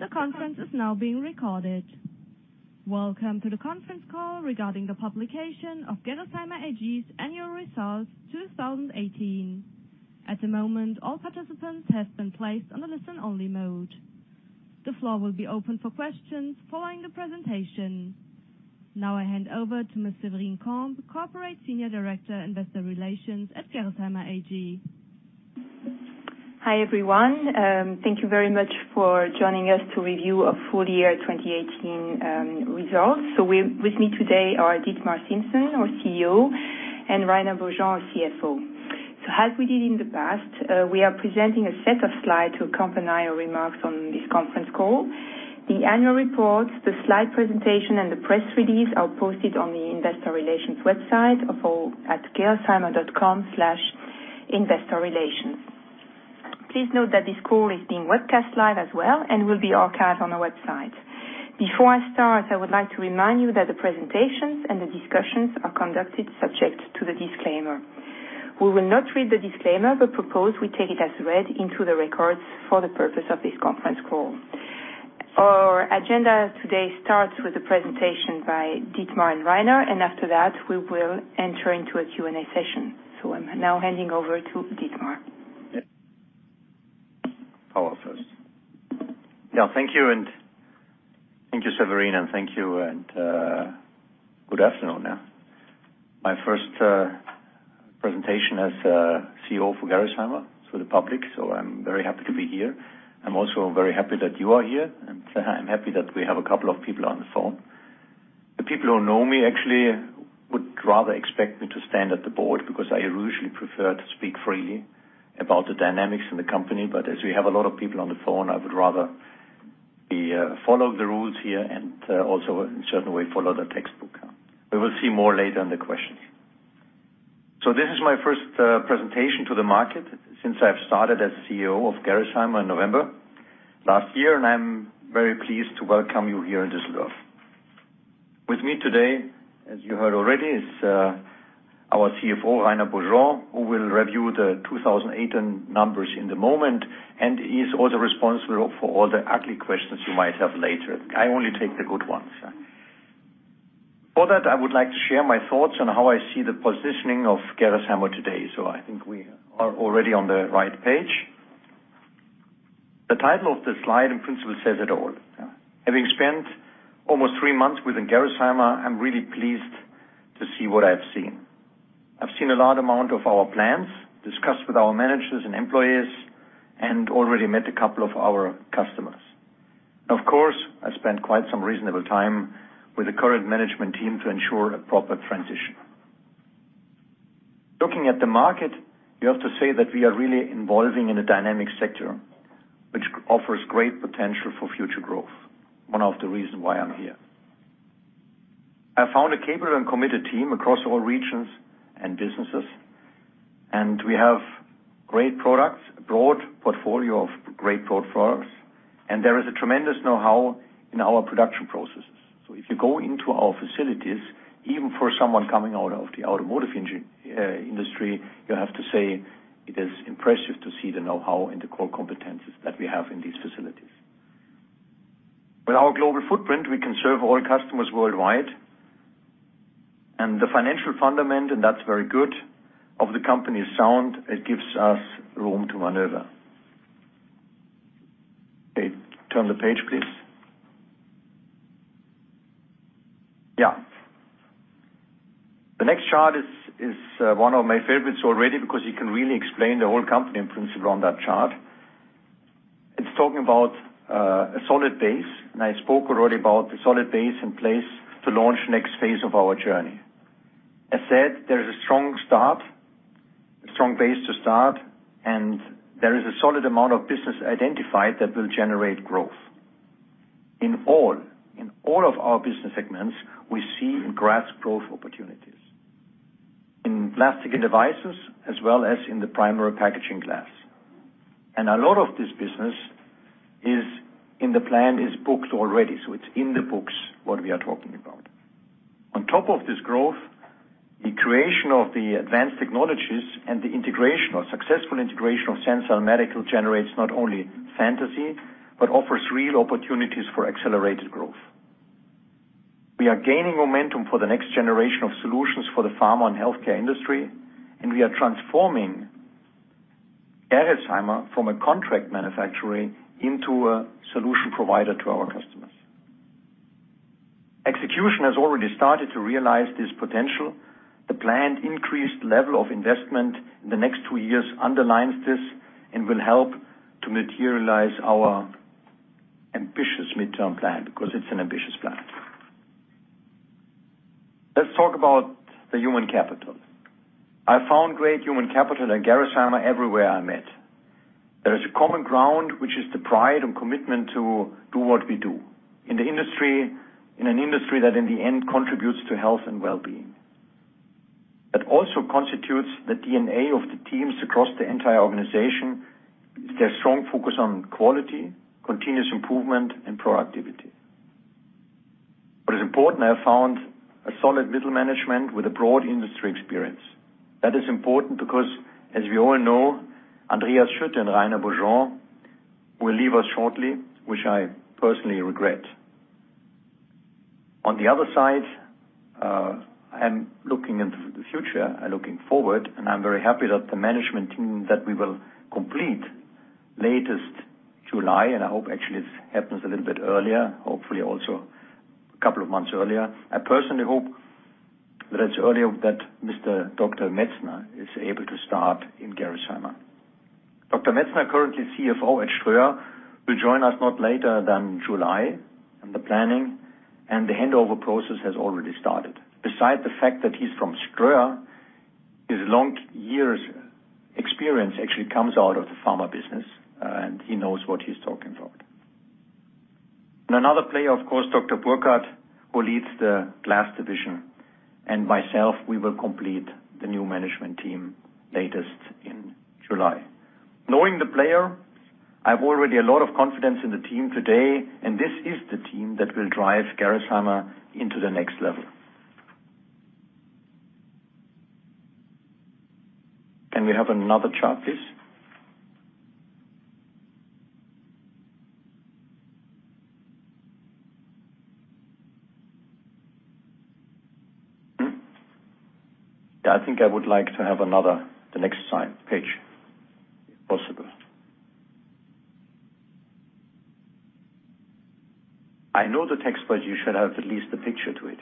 The conference is now being recorded. Welcome to the conference call regarding the publication of Gerresheimer AG's annual results 2018. At the moment, all participants have been placed on the listen-only mode. The floor will be open for questions following the presentation. Now I hand over to Ms. Séverine Combe, Corporate Senior Director, Investor Relations at Gerresheimer AG. Hi, everyone. Thank you very much for joining us to review our full year 2018 results. With me today are Dietmar Siemssen, our CEO, and Rainer Beaujean, our CFO. As we did in the past, we are presenting a set of slides to accompany our remarks on this conference call. The annual reports, the slide presentation, and the press release are posted on the investor relations website at gerresheimer.com/investorrelations. Before I start, I would like to remind you that the presentations and the discussions are conducted subject to the disclaimer. We will not read the disclaimer but propose we take it as read into the records for the purpose of this conference call. Our agenda today starts with a presentation by Dietmar and Rainer, and after that, we will enter into a Q&A session. I'm now handing over to Dietmar. I'll go first. Thank you, Séverine, and thank you, and good afternoon. My first presentation as CEO for Gerresheimer to the public, I'm very happy to be here. I'm also very happy that you are here, and I'm happy that we have a couple of people on the phone. The people who know me actually would rather expect me to stand at the board because I usually prefer to speak freely about the dynamics in the company as we have a lot of people on the phone, I would rather follow the rules here and also in a certain way, follow the textbook. We will see more later in the questions. This is my first presentation to the market since I've started as CEO of Gerresheimer in November last year, and I'm very pleased to welcome you here in Düsseldorf. With me today, as you heard already, is our CFO, Rainer Beaujean, who will review the 2018 numbers in a moment, and he is also responsible for all the ugly questions you might have later i only take the good ones. For that, I would like to share my thoughts on how I see the positioning of Gerresheimer today so i think we are already on the right page. The title of the slide in principle says it all. Having spent almost three months within Gerresheimer, I'm really pleased to see what I've seen. I've seen a large amount of our plants, discussed with our managers and employees, and already met a couple of our customers. Of course, I spent quite some reasonable time with the current management team to ensure a proper transition. Looking at the market, you have to say that we are really involved in a dynamic sector, which offers great potential for future growth. One of the reasons why I'm here. I found a capable and committed team across all regions and businesses, and we have great products, a broad portfolio of great products, and there is a tremendous know-how in our production processes. If you go into our facilities, even for someone coming out of the automotive industry, you have to say it is impressive to see the know-how and the core competencies that we have in these facilities. With our global footprint, we can serve all customers worldwide, and the financial foundation, and that's very good, of the company is sound it gives us room to maneuver. Turn the page, please. Yeah. The next chart is one of my favorites already because you can really explain the whole company in principle on that chart. It's talking about a solid base, and I spoke already about the solid base in place to launch the next phase of our journey. As said, there is a strong base to start, and there is a solid amount of business identified that will generate growth. In all of our business segments, we see gross growth opportunities. In Plastic & Devices, as well as in the primary packaging glass. A lot of this business in the plan is booked already. It's in the books, what we are talking about. On top of this growth, the creation of the Advanced Technologies and the integration or successful integration of Sensile Medical generates not only synergy but offers real opportunities for accelerated growth. We are gaining momentum for the next generation of solutions for the pharma and healthcare industry, and we are transforming Gerresheimer from a contract manufacturer into a solution provider to our customers. Execution has already started to realize this potential. The planned increased level of investment in the next two years underlines this and will help to materialize our ambitious midterm plan because it's an ambitious plan. Let's talk about the human capital. I found great human capital at Gerresheimer everywhere I met. There is a common ground, which is the pride and commitment to do what we do in an industry that in the end contributes to health and well-being. That also constitutes the DNA of the teams across the entire organization. There's strong focus on quality, continuous improvement, and productivity. The board may have found a solid middle management with a broad industry experience. That is important because, as we all know, Andreas Schütte and Rainer Beaujean will leave us shortly, which I personally regret. On the other side, I am looking into the future, I'm looking forward, and I'm very happy that the management team that we will complete latest July, and I hope actually it happens a little bit earlier, hopefully also a couple of months earlier. I personally hope that it's early that Dr. Metzner is able to start in Gerresheimer. Dr. Metzner, currently CFO at Ströer, will join us not later than July in the planning, and the handover process has already started. Besides the fact that he's from Ströer, his long years experience actually comes out of the pharma business, and he knows what he's talking about. Another player, of course, Dr. Burkhardt, who leads the glass division, and myself, we will complete the new management team latest in July. Knowing the player, I have already a lot of confidence in the team today, and this is the team that will drive Gerresheimer into the next level. Can we have another chart, please? I think I would like to have another the next page, if possible. I know the text, but you should have at least a picture to it,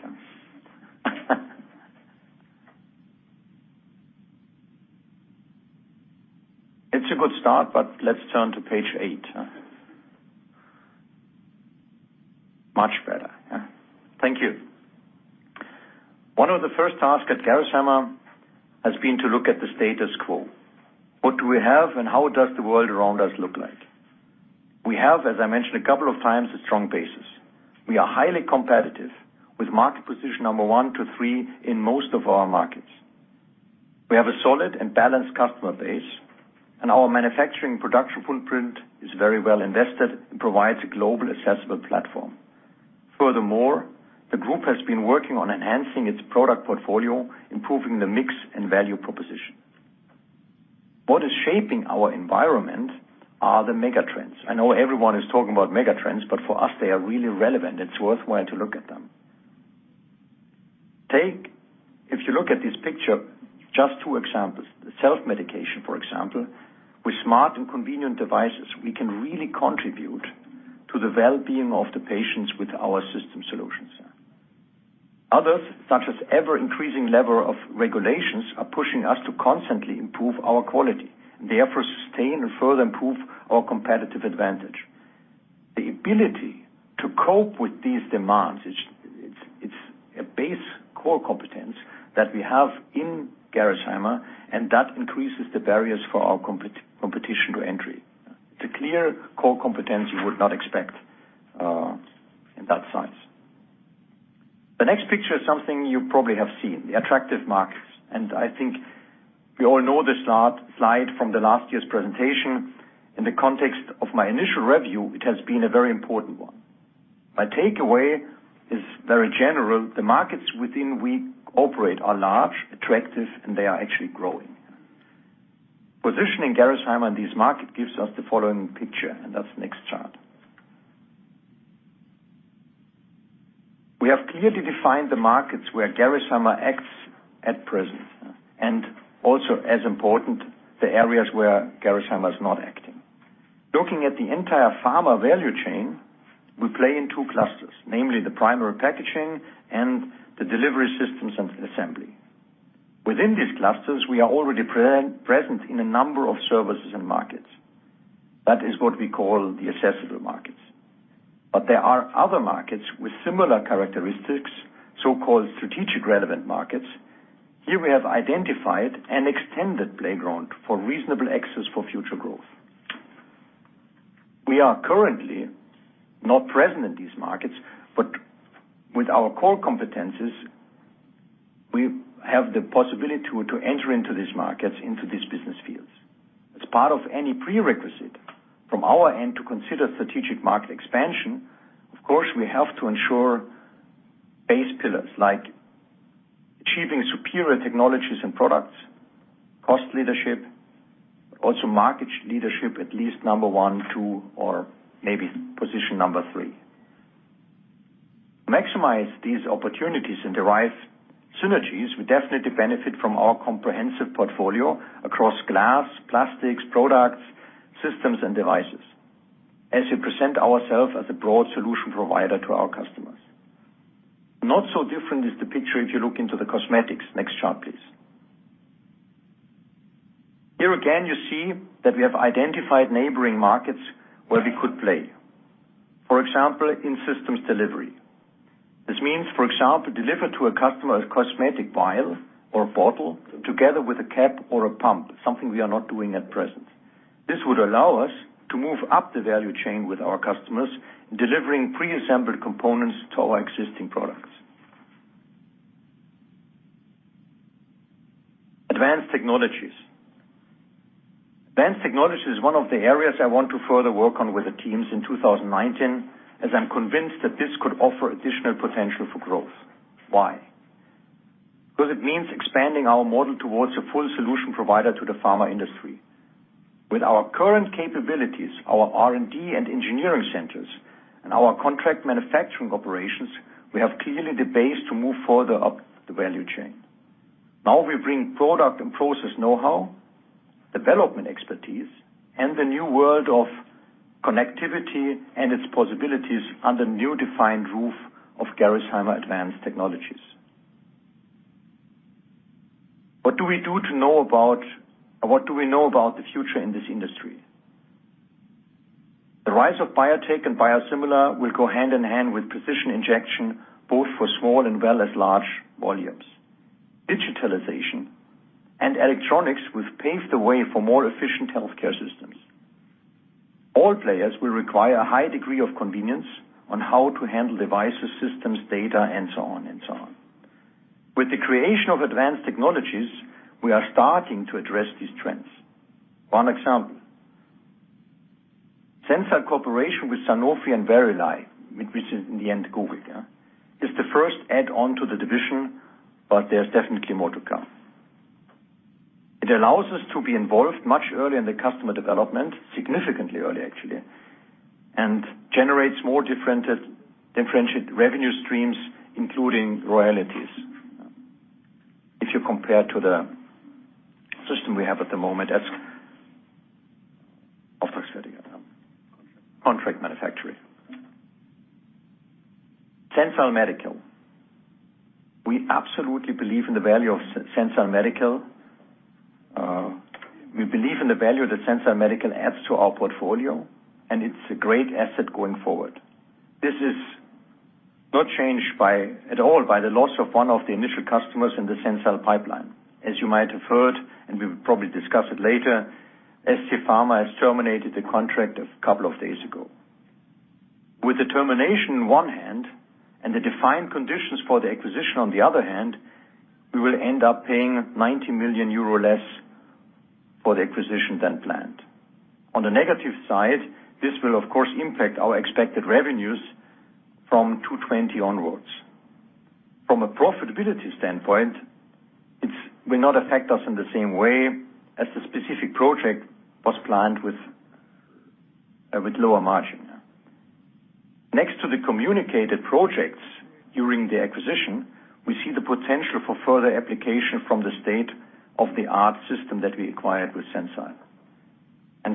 huh? It's a good start, let's turn to page eight. Much better. Thank you. One of the first tasks at Gerresheimer has been to look at the status quo. What do we have, and how does the world around us look like? We have, as I mentioned a couple of times, a strong basis. We are highly competitive with market position number one to three in most of our markets. Our manufacturing production footprint is very well invested and provides a global accessible platform. Furthermore, the group has been working on enhancing its product portfolio, improving the mix and value proposition. What is shaping our environment are the megatrends. I know everyone is talking about megatrends, for us, they are really relevant it's worthwhile to look at them. If you look at this picture, just two examples the self-medication, for example, with smart and convenient devices, we can really contribute to the well-being of the patients with our system solutions. Others, such as ever-increasing level of regulations, are pushing us to constantly improve our quality, therefore sustain and further improve our competitive advantage. The ability to cope with these demands, it's a base core competence that we have in Gerresheimer, that increases the barriers for our competition to entry. It's a clear core competence you would not expect in that size. The next picture is something you probably have seen, the attractive markets, I think we all know this slide from the last year's presentation. In the context of my initial review, it has been a very important one. My takeaway is very general the markets within we operate are large, attractive, they are actually growing. Positioning Gerresheimer in this market gives us the following picture, that's the next chart. We have clearly defined the markets where Gerresheimer acts at present, also as important, the areas where Gerresheimer is not acting. Looking at the entire pharma value chain, we play in two clusters, namely the primary packaging and the delivery systems and assembly. Within these clusters, we are already present in a number of services and markets. That is what we call the accessible markets. There are other markets with similar characteristics, so-called strategic relevant markets. Here we have identified an extended playground for reasonable access for future growth. We are currently not present in these markets, but with our core competencies, we have the possibility to enter into these markets, into these business fields. As part of any prerequisite from our end to consider strategic market expansion, of course, we have to ensure base pillars like achieving superior technologies and products, cost leadership, also market leadership, at least number one, two, or maybe position number three. To maximize these opportunities and derive synergies, we definitely benefit from our comprehensive portfolio across glass, plastics, products, systems, and devices, as we present ourselves as a broad solution provider to our customers. Not so different is the picture if you look into the cosmetics next chart, please. Here again, you see that we have identified neighboring markets where we could play. For example, in systems delivery. This means, for example, deliver to a customer a cosmetic vial or bottle together with a cap or a pump, something we are not doing at present. This would allow us to move up the value chain with our customers, delivering pre-assembled components to our existing products. Advanced Technologies. Advanced Technologies is one of the areas I want to further work on with the teams in 2019, as I'm convinced that this could offer additional potential for growth why? It means expanding our model towards a full solution provider to the pharma industry. With our current capabilities, our R&D and engineering centers, and our contract manufacturing operations, we have clearly the base to move further up the value chain. Now we bring product and process knowhow, development expertise, and the new world of connectivity and its possibilities under new defined roof of Gerresheimer Advanced Technologies. What do we know about the future in this industry? The rise of biotech and biosimilar will go hand in hand with precision injection, both for small and large volumes. Digitalization and electronics will pave the way for more efficient healthcare systems. All players will require a high degree of convenience on how to handle devices, systems, data, and so on. With the creation of Advanced Technologies, we are starting to address these trends. One example. Sensile cooperation with Sanofi and Verily, which is in the end Google, is the first add-on to the division. There's definitely more to come. It allows us to be involved much earlier in the customer development, significantly early actually, and generates more differentiated revenue streams, including royalties. If you compare to the system we have at the moment as contract manufacturing. Sensile Medical. We absolutely believe in the value of Sensile Medical. We believe in the value that Sensile Medical adds to our portfolio, and it's a great asset going forward. This is not changed at all by the loss of one of the initial customers in the Sensile pipeline. As you might have heard, and we'll probably discuss it later, SC Pharma has terminated the contract a couple of days ago. With the termination in one hand and the defined conditions for the acquisition on the other hand, we will end up paying 90 million euro less for the acquisition than planned. On the negative side, this will, of course, impact our expected revenues from 2020 onwards. From a profitability standpoint, it will not affect us in the same way as the specific project was planned with lower margin. Next to the communicated projects during the acquisition, we see the potential for further application from the state-of-the-art system that we acquired with Sensile.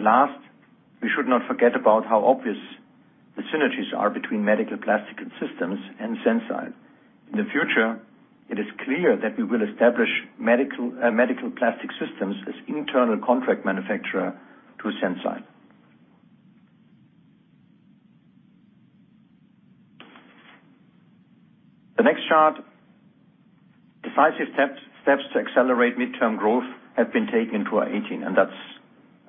Last, we should not forget about how obvious the synergies are between Medical Plastic Systems and Sensile. In the future, it is clear that we will establish Medical Plastic Systems as internal contract manufacturer to Sensile. The next chart, decisive steps to accelerate midterm growth have been taken to our 2018, that's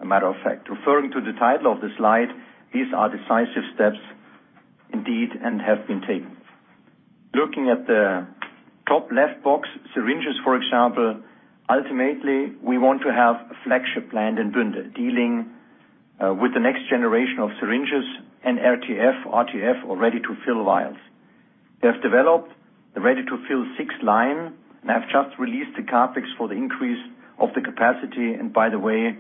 a matter of fact referring to the title of the slide, these are decisive steps indeed and have been taken. Looking at the top left box, syringes, for example, ultimately, we want to have a flagship plant in Bünde, dealing with the next generation of syringes and RTF or Ready-to-Fill vials. We have developed the Ready-to-Fill six line, have just released the CapEx for the increase of the capacity and by the way,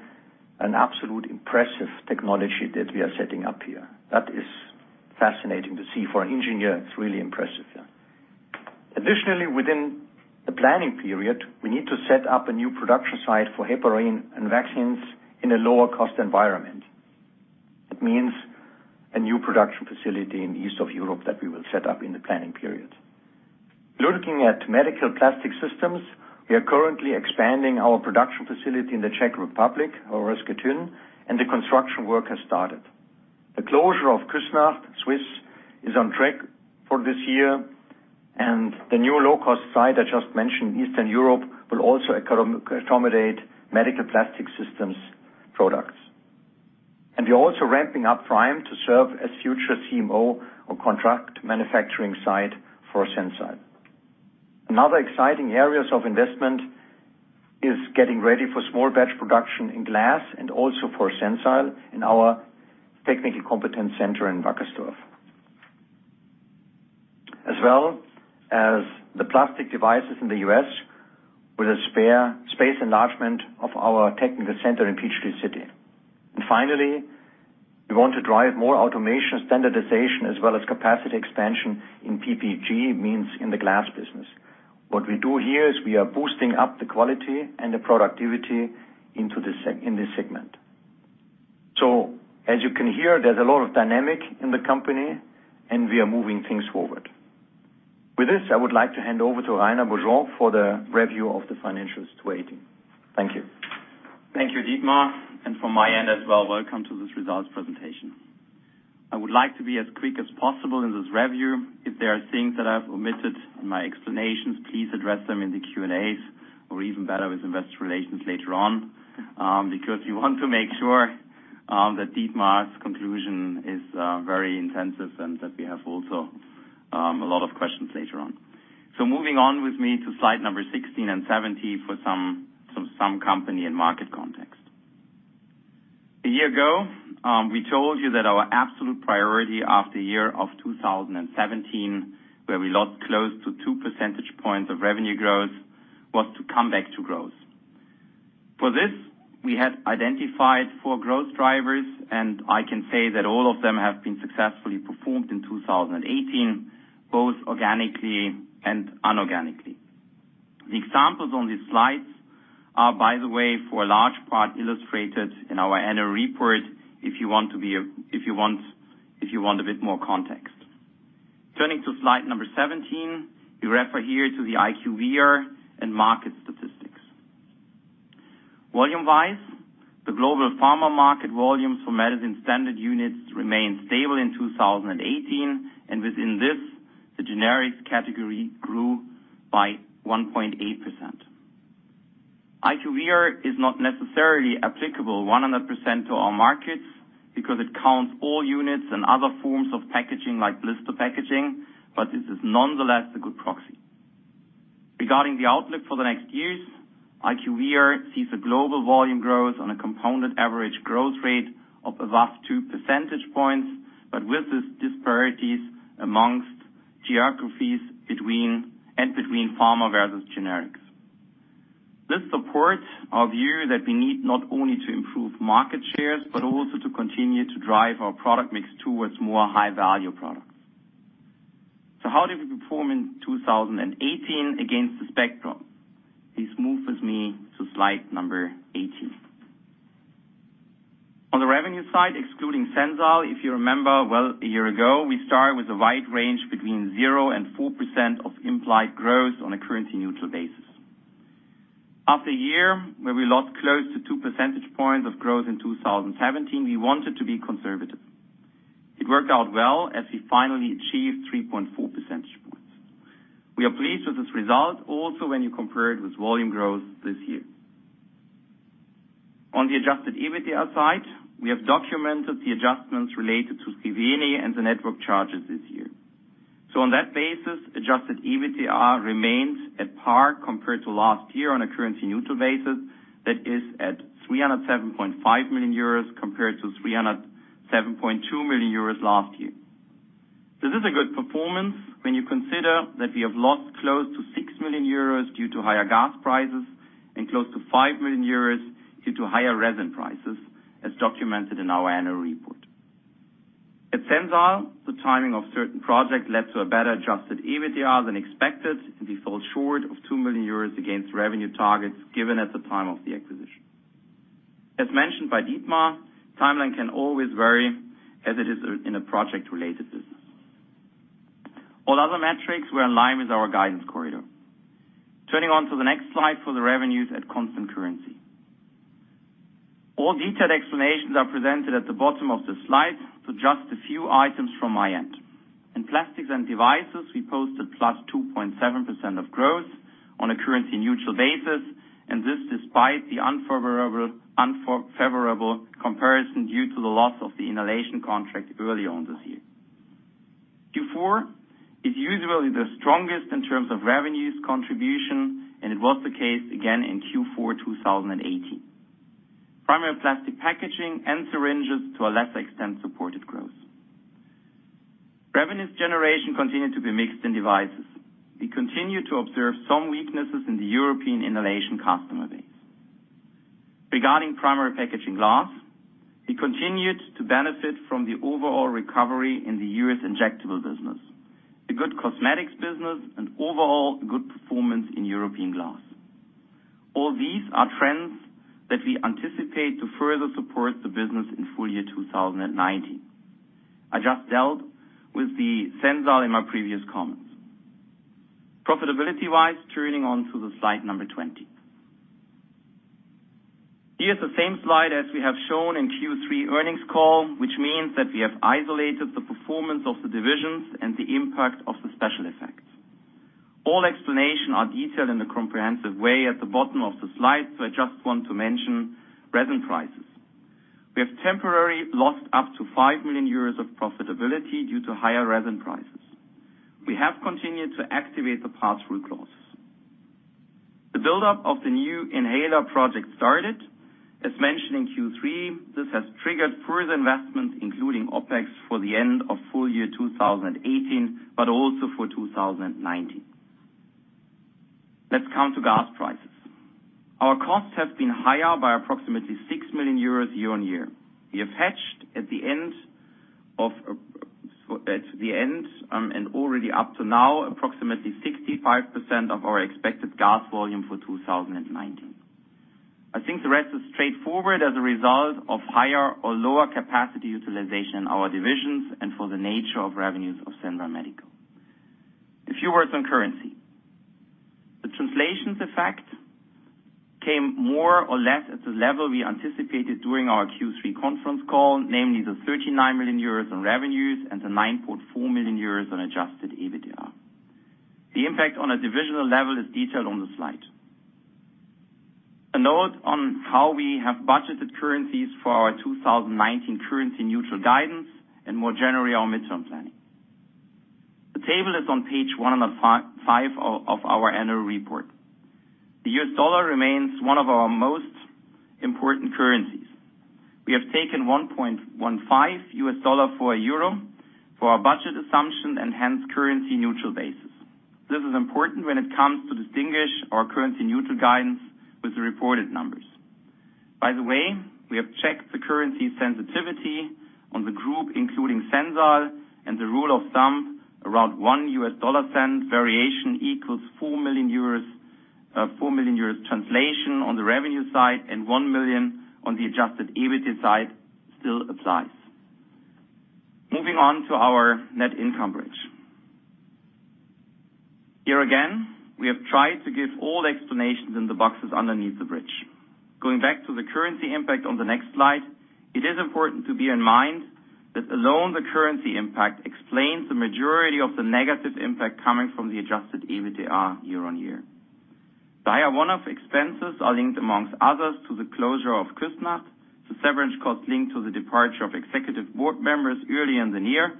an absolute impressive technology that we are setting up here. That is fascinating to see for an engineer, it's really impressive. Additionally, within the planning period, we need to set up a new production site for heparin and vaccines in a lower cost environment. That means a new production facility in the east of Europe that we will set up in the planning period. Looking at Medical Plastic Systems, we are currently expanding our production facility in the Czech Republic or Horšovský Týn. The construction work has started. The closure of Küssnacht, Swiss, is on track for this year. The new low-cost site I just mentioned in Eastern Europe will also accommodate Medical Plastic Systems products. We're also ramping up Pfreimd to serve as future CMO or contract manufacturing site for Sensile. Another exciting areas of investment is getting ready for small batch production in glass and also for Sensile in our technical competence center in Wackersdorf. As well as the plastic devices in the U.S. with a spare space enlargement of our technical center in Peachtree City. Finally, we want to drive more automation standardization as well as capacity expansion in PPG, means in the glass business. What we do here is we are boosting up the quality and the productivity in this segment. As you can hear, there's a lot of dynamic in the company. We are moving things forward. With this, I would like to hand over to Rainer Beaujean for the review of the financials 2018. Thank you. Thank you, Dietmar, and from my end as well, welcome to this results presentation. I would like to be as quick as possible in this review. If there are things that I've omitted in my explanations, please address them in the Q&As, or even better with investor relations later on. We want to make sure that Dietmar's conclusion is very intensive and that we have also a lot of questions later on. Moving on with me to slide number 16 and 17 for some company and market context. A year ago, we told you that our absolute priority after year of 2017, where we lost close to two percentage points of revenue growth, was to come back to growth. For this, we had identified four growth drivers, and I can say that all of them have been successfully performed in 2018, both organically and unorganically. The examples on these slides are, by the way, for a large part, illustrated in our annual report, if you want a bit more context. Turning to slide number 17, we refer here to the IQVIA and market statistics. Volume-wise, the global pharma market volumes for medicine standard units remained stable in 2018, and within this, the generics category grew by 1.8%. IQVIA is not necessarily applicable 100% to our markets because it counts all units and other forms of packaging like blister packaging, but this is nonetheless a good proxy. Regarding the outlook for the next years, IQVIA sees a global volume growth on a compounded average growth rate of a vast two percentage points, but with these disparities amongst geographies and between pharma versus generics. This supports our view that we need not only to improve market shares, but also to continue to drive our product mix towards more high-value products. How did we perform in 2018 against the spectrum? Please move with me to slide number 18. On the revenue side, excluding Sensile, if you remember, well, a year ago, we started with a wide range between 0% and 4% of implied growth on a currency-neutral basis. After a year where we lost close to two percentage points of growth in 2017, we wanted to be conservative. It worked out well as we finally achieved 3.4 percentage points. We are pleased with this result also when you compare it with volume growth this year. On the Adjusted EBITDA side, we have documented the adjustments related to Sensile and the network charges this year. On that basis, Adjusted EBITDA remains at par compared to last year on a currency-neutral basis that is at 307.5 million euros compared to 307.2 million euros last year. This is a good performance when you consider that we have lost close to 6 million euros due to higher gas prices and close to 5 million euros due to higher resin prices as documented in our annual report. At Sensile, the timing of certain project led to a better-Adjusted EBITDA than expected, and we fell short of 2 million euros against revenue targets given at the time of the acquisition. As mentioned by Dietmar, timeline can always vary as it is in a project-related business. All other metrics were in line with our guidance corridor. Turning on to the next slide for the revenues at constant currency. All detailed explanations are presented at the bottom of the slide, just a few items from my end. In Plastics & Devices, we posted +2.7% of growth on a currency-neutral basis, and this despite the unfavorable comparison due to the loss of the inhalation contract early on this year. Q4 is usually the strongest in terms of revenues contribution, and it was the case again in Q4 2018. Primary plastic packaging and syringes, to a lesser extent, supported growth. Revenues generation continued to be mixed in devices. We continue to observe some weaknesses in the European inhalation customer base. Regarding Primary Packaging Glass, we continued to benefit from the overall recovery in the U.S. injectable business, the good cosmetics business, and overall good performance in European glass. All these are trends that we anticipate to further support the business in full year 2019. I just dealt with the Sensile in my previous comments. Profitability-wise, turning on to the slide number 20. Here's the same slide as we have shown in Q3 earnings call, which means that we have isolated the performance of the divisions and the impact of the special effects. All explanations are detailed in a comprehensive way at the bottom of the slide, I just want to mention resin prices. We have temporarily lost up to 5 million euros of profitability due to higher resin prices. We have continued to activate the pass-through clause. The buildup of the new inhaler project started. As mentioned in Q3, this has triggered further investment, including OpEx, for the end of full year 2018, but also for 2019. Let's come to gas prices. Our costs have been higher by approximately 6 million euros year-on-year. We have hedged at the end and already up to now, approximately 65% of our expected gas volume for 2019. I think the rest is straightforward as a result of higher or lower capacity utilization in our divisions and for the nature of revenues of Sensile Medical. A few words on currency. The translations effect came more or less at the level we anticipated during our Q3 conference call, namely the 39 million euros in revenues and the 9.4 million euros in Adjusted EBITDA. the impact on a divisional level is detailed on the slide. A note on how we have budgeted currencies for our 2019 currency-neutral guidance and more generally, our midterm planning. The table is on page 105 of our annual report. The U.S. dollar remains one of our most important currencies. We have taken 1.15 U.S. dollar for a euro for our budget assumption and hence currency neutral basis. This is important when it comes to distinguish our currency neutral guidance with the reported numbers. By the way, we have checked the currency sensitivity on the group, including Sensile and the rule of thumb around $0.01 variation equals 4 million euros translation on the revenue side and 1 million on the Adjusted EBITDA side still applies. Moving on to our net income bridge. Here again, we have tried to give all the explanations in the boxes underneath the bridge. Going back to the currency impact on the next slide, it is important to bear in mind that alone the currency impact explains the majority of the negative impact coming from the Adjusted EBITDA year-on-year. The higher one-off expenses are linked amongst others to the closure of Küssnacht, the severance costs linked to the departure of executive board members early in the year,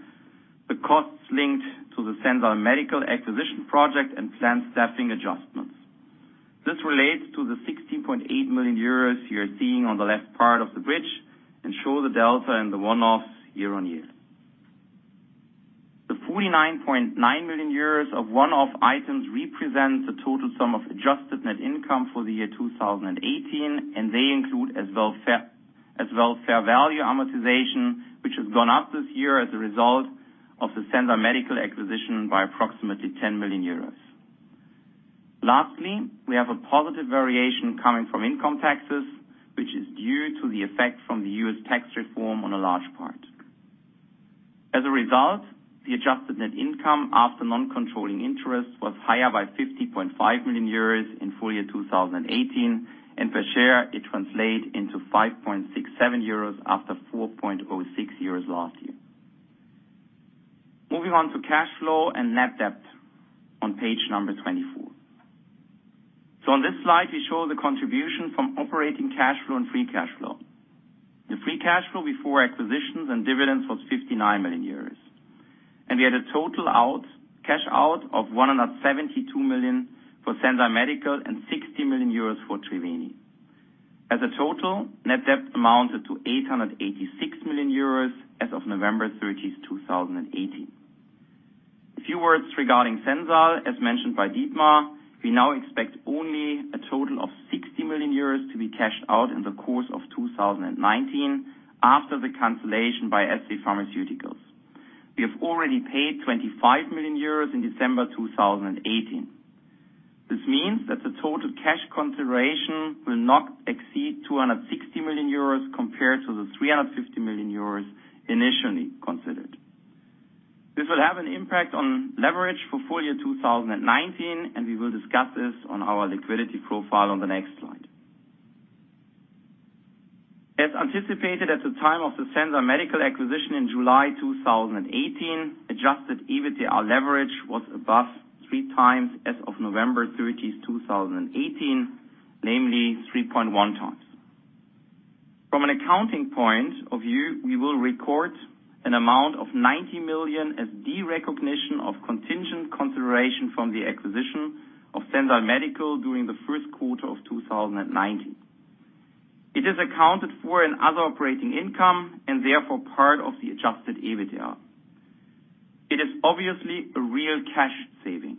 the costs linked to the Sensile Medical acquisition project, and planned staffing adjustments. This relates to the 16.8 million euros you are seeing on the left part of the bridge and show the delta and the one-offs year-on-year. The 49.9 million euros of one-off items represents the total sum of adjusted net income for the year 2018, and they include as well fair value amortization, which has gone up this year as a result of the Sensile Medical acquisition by approximately 10 million euros. Lastly, we have a positive variation coming from income taxes, which is due to the effect from the U.S. tax reform on a large part. As a result, the adjusted net income after non-controlling interest was higher by 50.5 million euros in full year 2018, and per share, it translate into 5.67 euros after 4.06 euros last year. Moving on to cash flow and net debt on page number 24. On this slide, we show the contribution from operating cash flow and free cash flow. The free cash flow before acquisitions and dividends was 59 million euros. We had a total cash out of 172 million for Sensile Medical and 60 million euros for Triveni. As a total, net debt amounted to 886 million euros as of 30 November 2018. A few words regarding Sensile, as mentioned by Dietmar, we now expect only a total of 60 million euros to be cashed out in the course of 2019 after the cancellation by SC pharmaceuticals. We have already paid 25 million euros in December 2018. This means that the total cash consideration will not exceed 260 million euros compared to the 350 million euros initially considered. This will have an impact on leverage for full year 2019 and we will discuss this on our liquidity profile on the next slide. As anticipated at the time of the Sensile Medical acquisition in July 2018, Adjusted EBITDA leverage was above 3 times as of 30 November 2018, namely 3.1 times. From an accounting point of view, we will record an amount of 90 million as derecognition of contingent consideration from the acquisition of Sensile Medical during the Q1 of 2019. It is accounted for in other operating income and therefore part of the Adjusted EBITDA. It is obviously a real cash saving.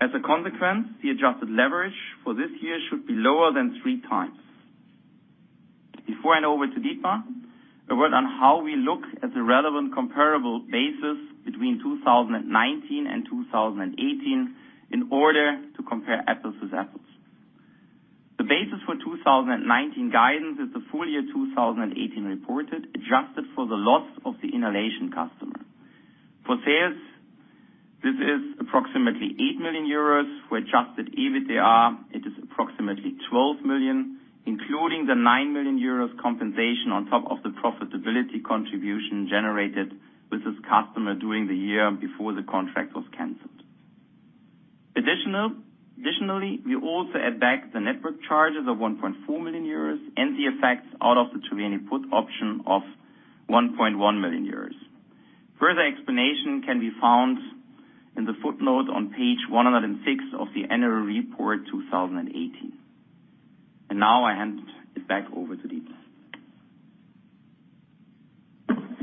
As a consequence, the adjusted leverage for this year should be lower than 3 times. Before hand over to Dietmar, a word on how we look at the relevant comparable basis between 2019 and 2018 in order to compare apples with apples. The basis for 2019 guidance is the full year 2018 reported, adjusted for the loss of the inhalation customer. For sales, this is approximately 8 million euros, for Adjusted EBITDA, it is approximately 12 million, including the 9 million euros compensation on top of the profitability contribution generated with this customer during the year before the contract was canceled. Additionally, we also add back the network charges of 1.4 million euros and the effects out of the Triveni put option of 1.1 million euros. Further explanation can be found in the footnote on page 106 of the annual report 2018. Now I hand it back over to Dietmar.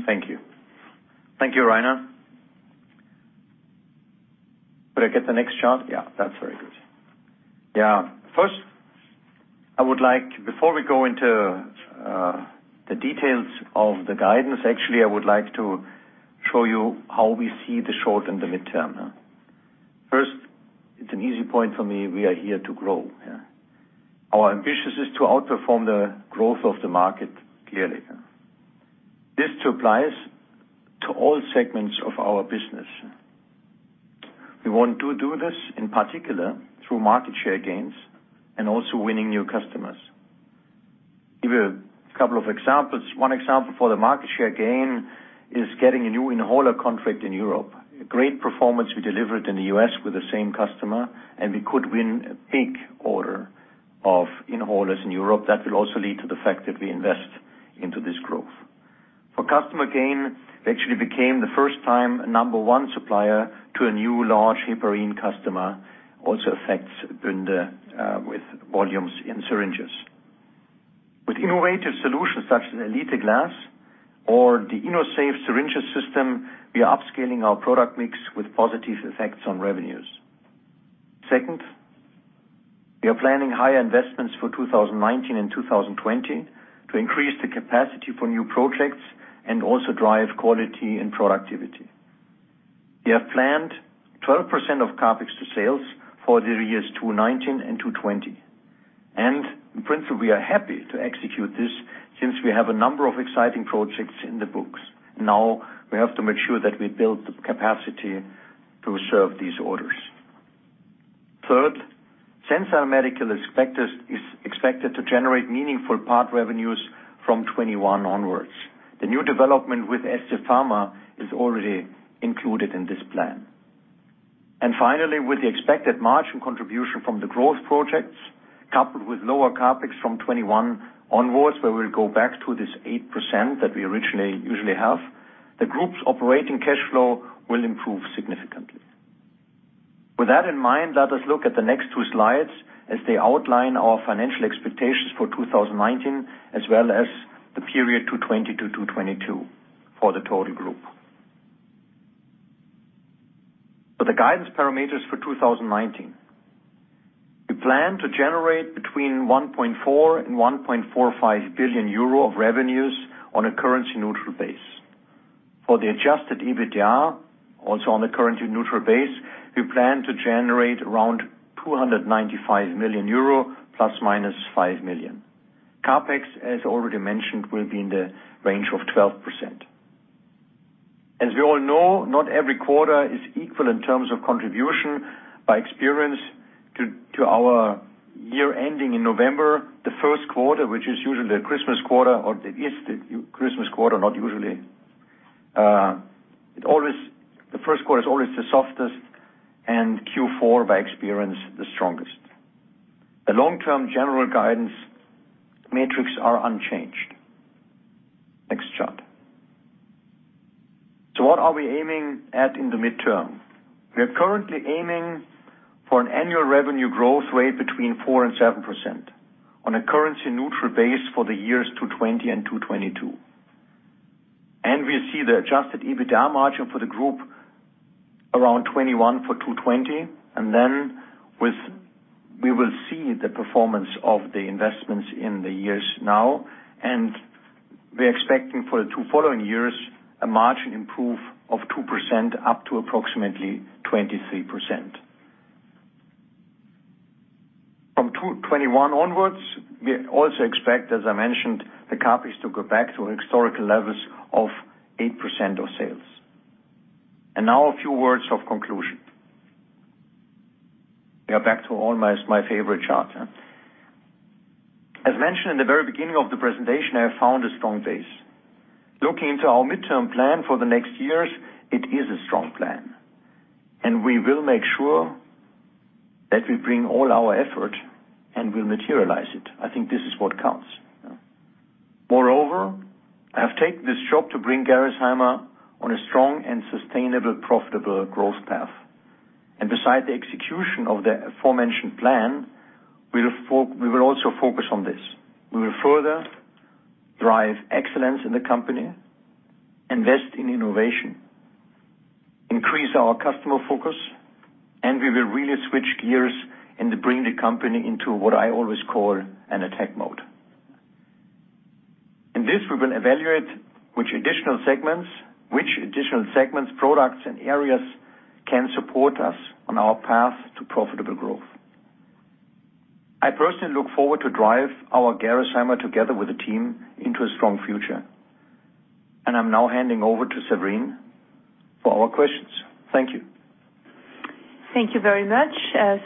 Thank you. Thank you, Rainer. Could I get the next chart? That's very good. Yeah. First, I would like, before we go into the details of the guidance, actually, I would like to show you how we see the short and the midterm. First, it's an easy point for me we are here to grow. Our ambition is to outperform the growth of the market, clearly. This applies to all segments of our business. We want to do this in particular through market share gains and also winning new customers. Give you a couple of examples one example for the market share gain is getting a new inhaler contract in Europe. A great performance we delivered in the U.S. with the same customer, and we could win a big order of inhalers in Europe that will also lead to the fact that we invest into this growth. For customer gain, we actually became, the first time, a number one supplier to a new large heparin customer, also affects Bünde with volumes in syringes. With innovative solutions such as Gx Elite glass or the Gx InnoSafe syringe system, we are upscaling our product mix with positive effects on revenues. Second, we are planning higher investments for 2019 and 2020 to increase the capacity for new projects and also drive quality and productivity. We have planned 12% of CapEx to sales for the years 2019 and 2020. In principle, we are happy to execute this since we have a number of exciting projects in the books. Now we have to make sure that we build the capacity to serve these orders. Third, Sensile Medical is expected to generate meaningful part revenues from 2021 onwards. The new development with SC Pharma is already included in this plan. Finally, with the expected margin contribution from the growth projects, coupled with lower CapEx from 2021 onwards, where we'll go back to this 8% that we originally usually have, the group's operating cash flow will improve significantly. With that in mind, let us look at the next two slides as they outline our financial expectations for 2019 as well as the period 2020 to 2022 for the total group. For the guidance parameters for 2019, we plan to generate between 1.4 billion and 1.45 billion euro of revenues on a currency-neutral base. For the Adjusted EBITDA, also on a currency-neutral base, we plan to generate around 295 million euro, ± 5 million. CapEx, as already mentioned, will be in the range of 12%. As we all know, not every quarter is equal in terms of contribution by experience to our year ending in November, the Q1, which is usually a Christmas quarter or it is the Christmas quarter, not usually. The Q1 is always the softest, and Q4, by experience, the strongest. The long-term general guidance metrics are unchanged. Next chart. What are we aiming at in the midterm? We are currently aiming for an annual revenue growth rate between 4% and 7% on a currency-neutral base for the years 2020 and 2022. We see the Adjusted EBITDA margin for the group around 21% for 2020, and we will see the performance of the investments in the years now, and we are expecting for the two following years a margin improvement of 2% up to approximately 23%. From 2021 onwards, we also expect, as I mentioned, the CapEx to go back to historical levels of 8% of sales. Now a few words of conclusion. We are back to almost my favorite chart. As mentioned in the very beginning of the presentation, I have found a strong base. Looking into our midterm plan for the next years, it is a strong plan, and we will make sure that we bring all our effort and we will materialize it. I think this is what counts. Moreover, I have taken this job to bring Gerresheimer on a strong and sustainable, profitable growth path. Beside the execution of the aforementioned plan, we will also focus on this. We will further drive excellence in the company, invest in innovation, increase our customer focus, and we will really switch gears and bring the company into what I always call an attack mode. In this, we will evaluate which additional segments, products, and areas can support us on our path to profitable growth. I personally look forward to drive our Gerresheimer together with the team into a strong future. I am now handing over to Séverine for our questions. Thank you. Thank you very much.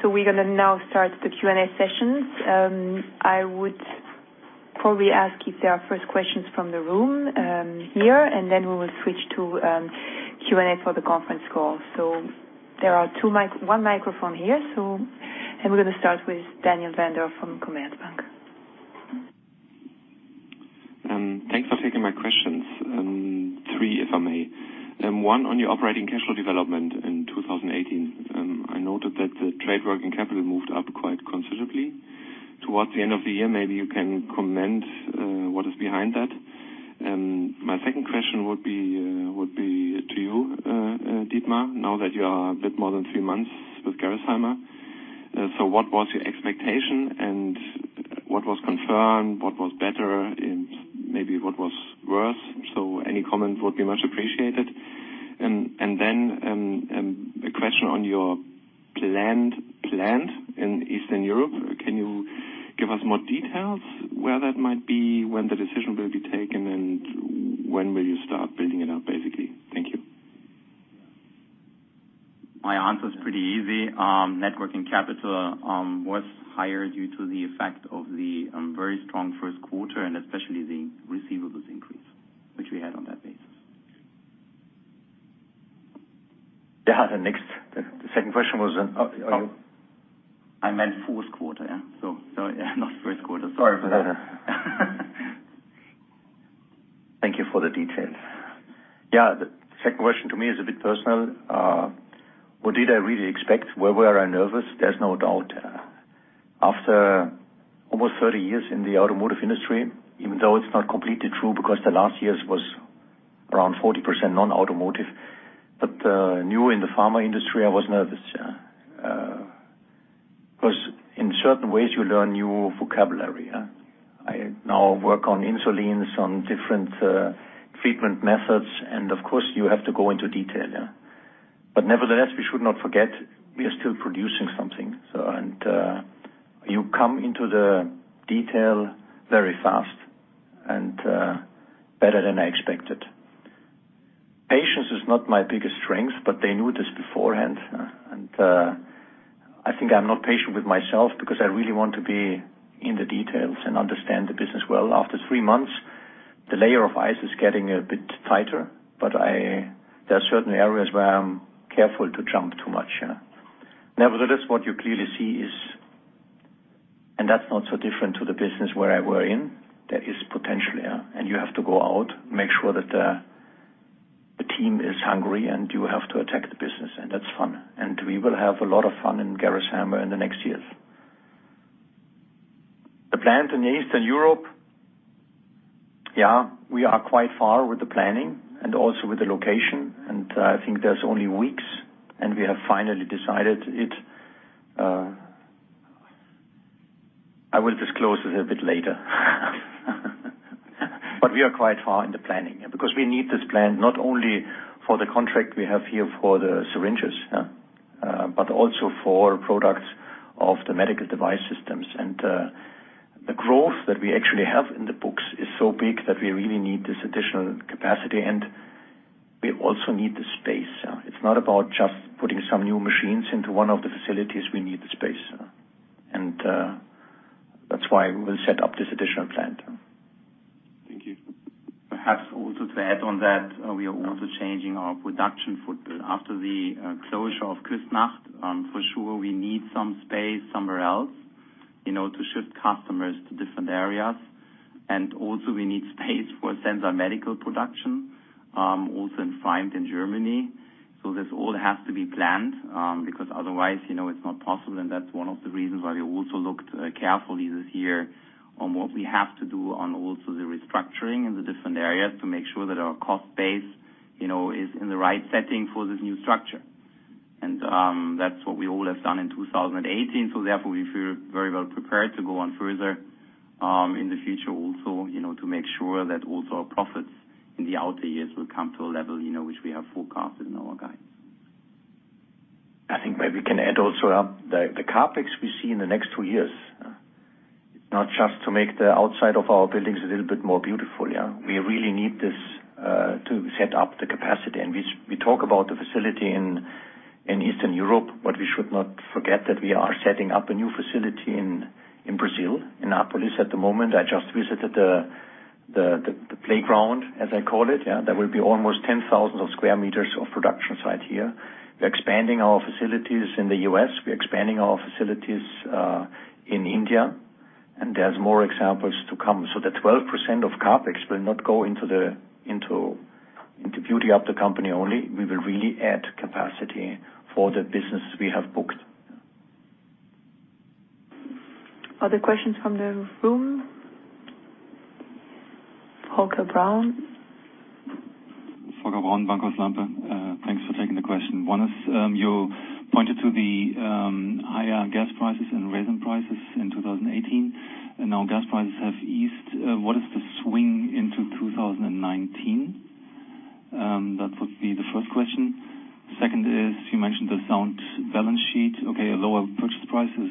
We are going to now start the Q&A sessions. I would probably ask if there are first questions from the room here, and then we will switch to Q&A for the conference call. There are one microphone here. We are going to start with Daniel Bender from Commerzbank. Thanks for taking my questions. Three, if I may. One, on your operating cash flow development in 2018, I noted that the trade working capital moved up quite considerably towards the end of the year maybe you can comment what is behind that. My second question would be to you, Dietmar, now that you are a bit more than three months with Gerresheimer. So what was your expectation and what was confirmed, what was better, and maybe what was worse? Any comment would be much appreciated. Then, a question on your planned plant in Eastern Europe. Can you give us more details where that might be, when the decision will be taken, and when will you start building it out, basically? Thank you. Answer is pretty easy. Networking capital was higher due to the effect of the very strong Q1, and especially the receivables increase, which we had on that basis. Yeah. The second question was- I meant Q4. Yeah. Not Q1. Sorry for that. Thank you for the details. Yeah, the second question to me is a bit personal. What did I really expect? Well, were I nervous? There's no doubt. After almost 30 years in the automotive industry, even though it's not completely true because the last years was around 40% non-automotive. New in the pharma industry, I was nervous. Because in certain ways, you learn new vocabulary. I now work on insulins, on different treatment methods, and of course, you have to go into detail. Nevertheless, we should not forget, we are still producing something. You come into the detail very fast and better than I expected. Patience is not my biggest strength, but they knew this beforehand. I think I'm not patient with myself because I really want to be in the details and understand the business well after three months, the layer of ice is getting a bit tighter, there are certain areas where I'm careful to jump too much. Nevertheless, what you clearly see is, and that's not so different to the business where I were in, there is potential and you have to go out, make sure that the team is hungry, you have to attack the business, and that's fun, and we will have a lot of fun in Gerresheimer in the next years. The plant in Eastern Europe, yeah, we are quite far with the planning and also with the location, I think there's only weeks, we have finally decided it. I will disclose it a bit later. We are quite far in the planning. We need this plan not only for the contract we have here for the syringes. Also for products of the medical device systems. The growth that we actually have in the books is so big that we really need this additional capacity, we also need the space. It's not about just putting some new machines into one of the facilities, we need the space. That's why we will set up this additional plant. Thank you. Perhaps also to add on that, we are also changing our production footprint after the closure of Küssnacht, for sure we need some space somewhere else to shift customers to different areas. Also we need space for Sensile Medical production, also in Freiberg in Germany. This all has to be planned, because otherwise it's not possible, that's one of the reasons why we also looked carefully this year on what we have to do on also the restructuring in the different areas to make sure that our cost base is in the right setting for this new structure. That's what we all have done in 2018 therefore we feel very well prepared to go on further, in the future also, to make sure that also our profits in the outer years will come to a level which we have forecasted in our guides. I think maybe we can add also the CapEx we see in the next two years. Not just to make the outside of our buildings a little bit more beautiful. We really need this to set up the capacity we talk about the facility in Eastern Europe, we should not forget that we are setting up a new facility in Brazil, in Aparecida at the moment i just visited the playground, as I call it and there will be almost 10,000sq m of production site here. We're expanding our facilities in the U.S., we're expanding our facilities in India, there's more examples to come so the 12% of CapEx will not go into beauty of the company only. We will really add capacity for the business we have booked. Other questions from the room? Volker Braun. Volker Braun, Bankhaus Lampe. Thanks for taking the question one is, you pointed to the higher gas prices and resin prices in 2018. Now gas prices have eased what is the swing into 2019? That would be the first question. Second is, you mentioned the sound balance sheet. Okay, a lower purchase price is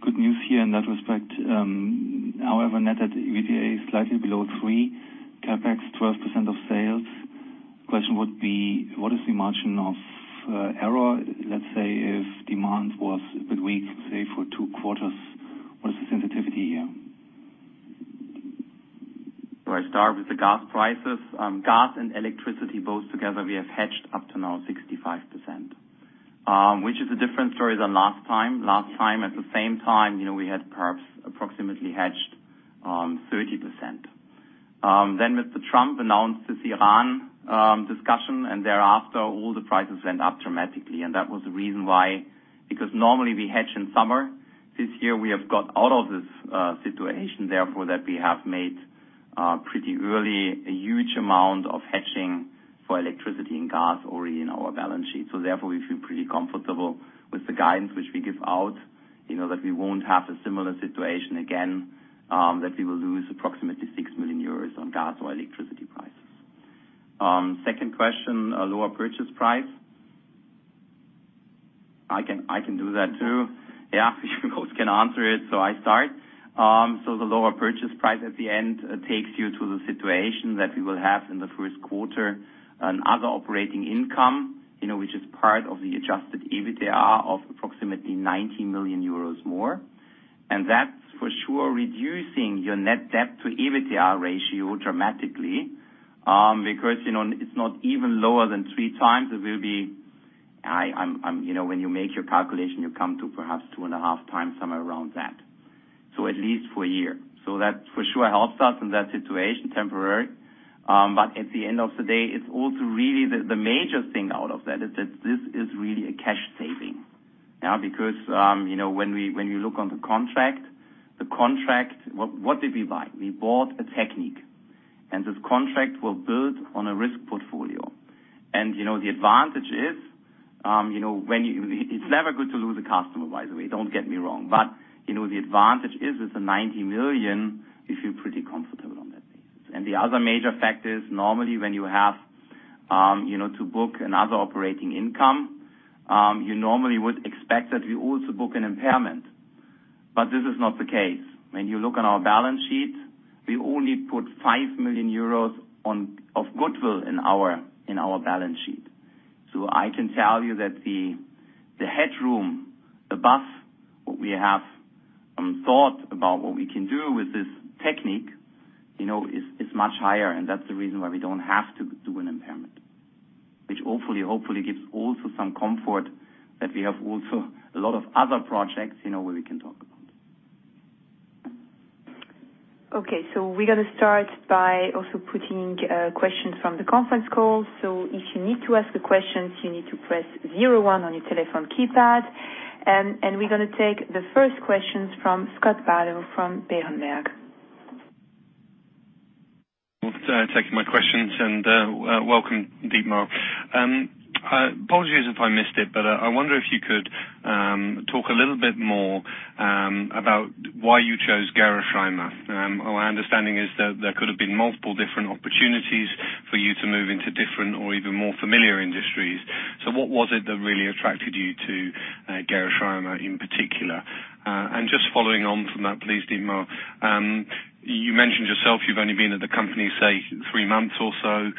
good news here in that respect. However, net at EBITDA is slightly below three, CapEx 12% of sales. Question would be, what is the margin of error, let's say, if demand was a bit weak, say, for two quarters, what is the sensitivity here? I start with the gas prices. Gas and electricity both together, we have hedged up to now 65%. Which is a different story than last time. Last time, at the same time, we had perhaps approximately hedged 30%. Mr. Trump announced this Iran discussion and thereafter, all the prices went up dramatically, and that was the reason why. Because normally we hedge in summer. This year, we have got out of this situation, therefore, that we have made pretty early a huge amount of hedging for electricity and gas already in our balance sheet so therefore, we feel pretty comfortable with the guidance which we give out, that we won't have a similar situation again, that we will lose approximately 6 million euros on gas or electricity prices. Second question, lower purchase price. I can do that too. Yeah, you both can answer it i start. The lower purchase price at the end takes you to the situation that we will have in the Q1 an other operating income, which is part of the Adjusted EBITDA of approximately 90 million euros more. That's for sure reducing your net debt to EBITDA ratio dramatically. It's not even lower than 3 times when you make your calculation, you come to perhaps 2.5 times, somewhere around that. At least for a year that for sure helps us in that situation temporarily. At the end of the day, it's also really the major thing out of that is that this is really a cash saving. Because when you look on the contract, what did we buy? We bought a technique. This contract will build on a risk portfolio. The advantage is, it's never good to lose a customer, by the way don't get me wrong. The advantage is with the 90 million, we feel pretty comfortable on that basis. The other major factor is normally when you have to book another operating income, you normally would expect that we also book an impairment. This is not the case. When you look on our balance sheet, we only put 5 million euros of goodwill in our balance sheet. So I can tell you that the headroom above what we have thought about what we can do with this technique is much higher, and that's the reason why we don't have to do an impairment. Which hopefully gives also some comfort that we have also a lot of other projects, where we can talk about. Okay. We're going to start by also putting questions from the conference call. If you need to ask a question, you need to press zero one on your telephone keypad. We're going to take the first question from Scott Bardo from Berenberg. Thanks for taking my questions, and welcome, Dietmar. Apologies if I missed it, I wonder if you could talk a little bit more about why you chose Gerresheimer. Our understanding is that there could have been multiple different opportunities for you to move into different or even more familiar industries. What was it that really attracted you to Gerresheimer in particular? Just following on from that please, Dietmar. You mentioned yourself, you've only been at the company, say, three months or so.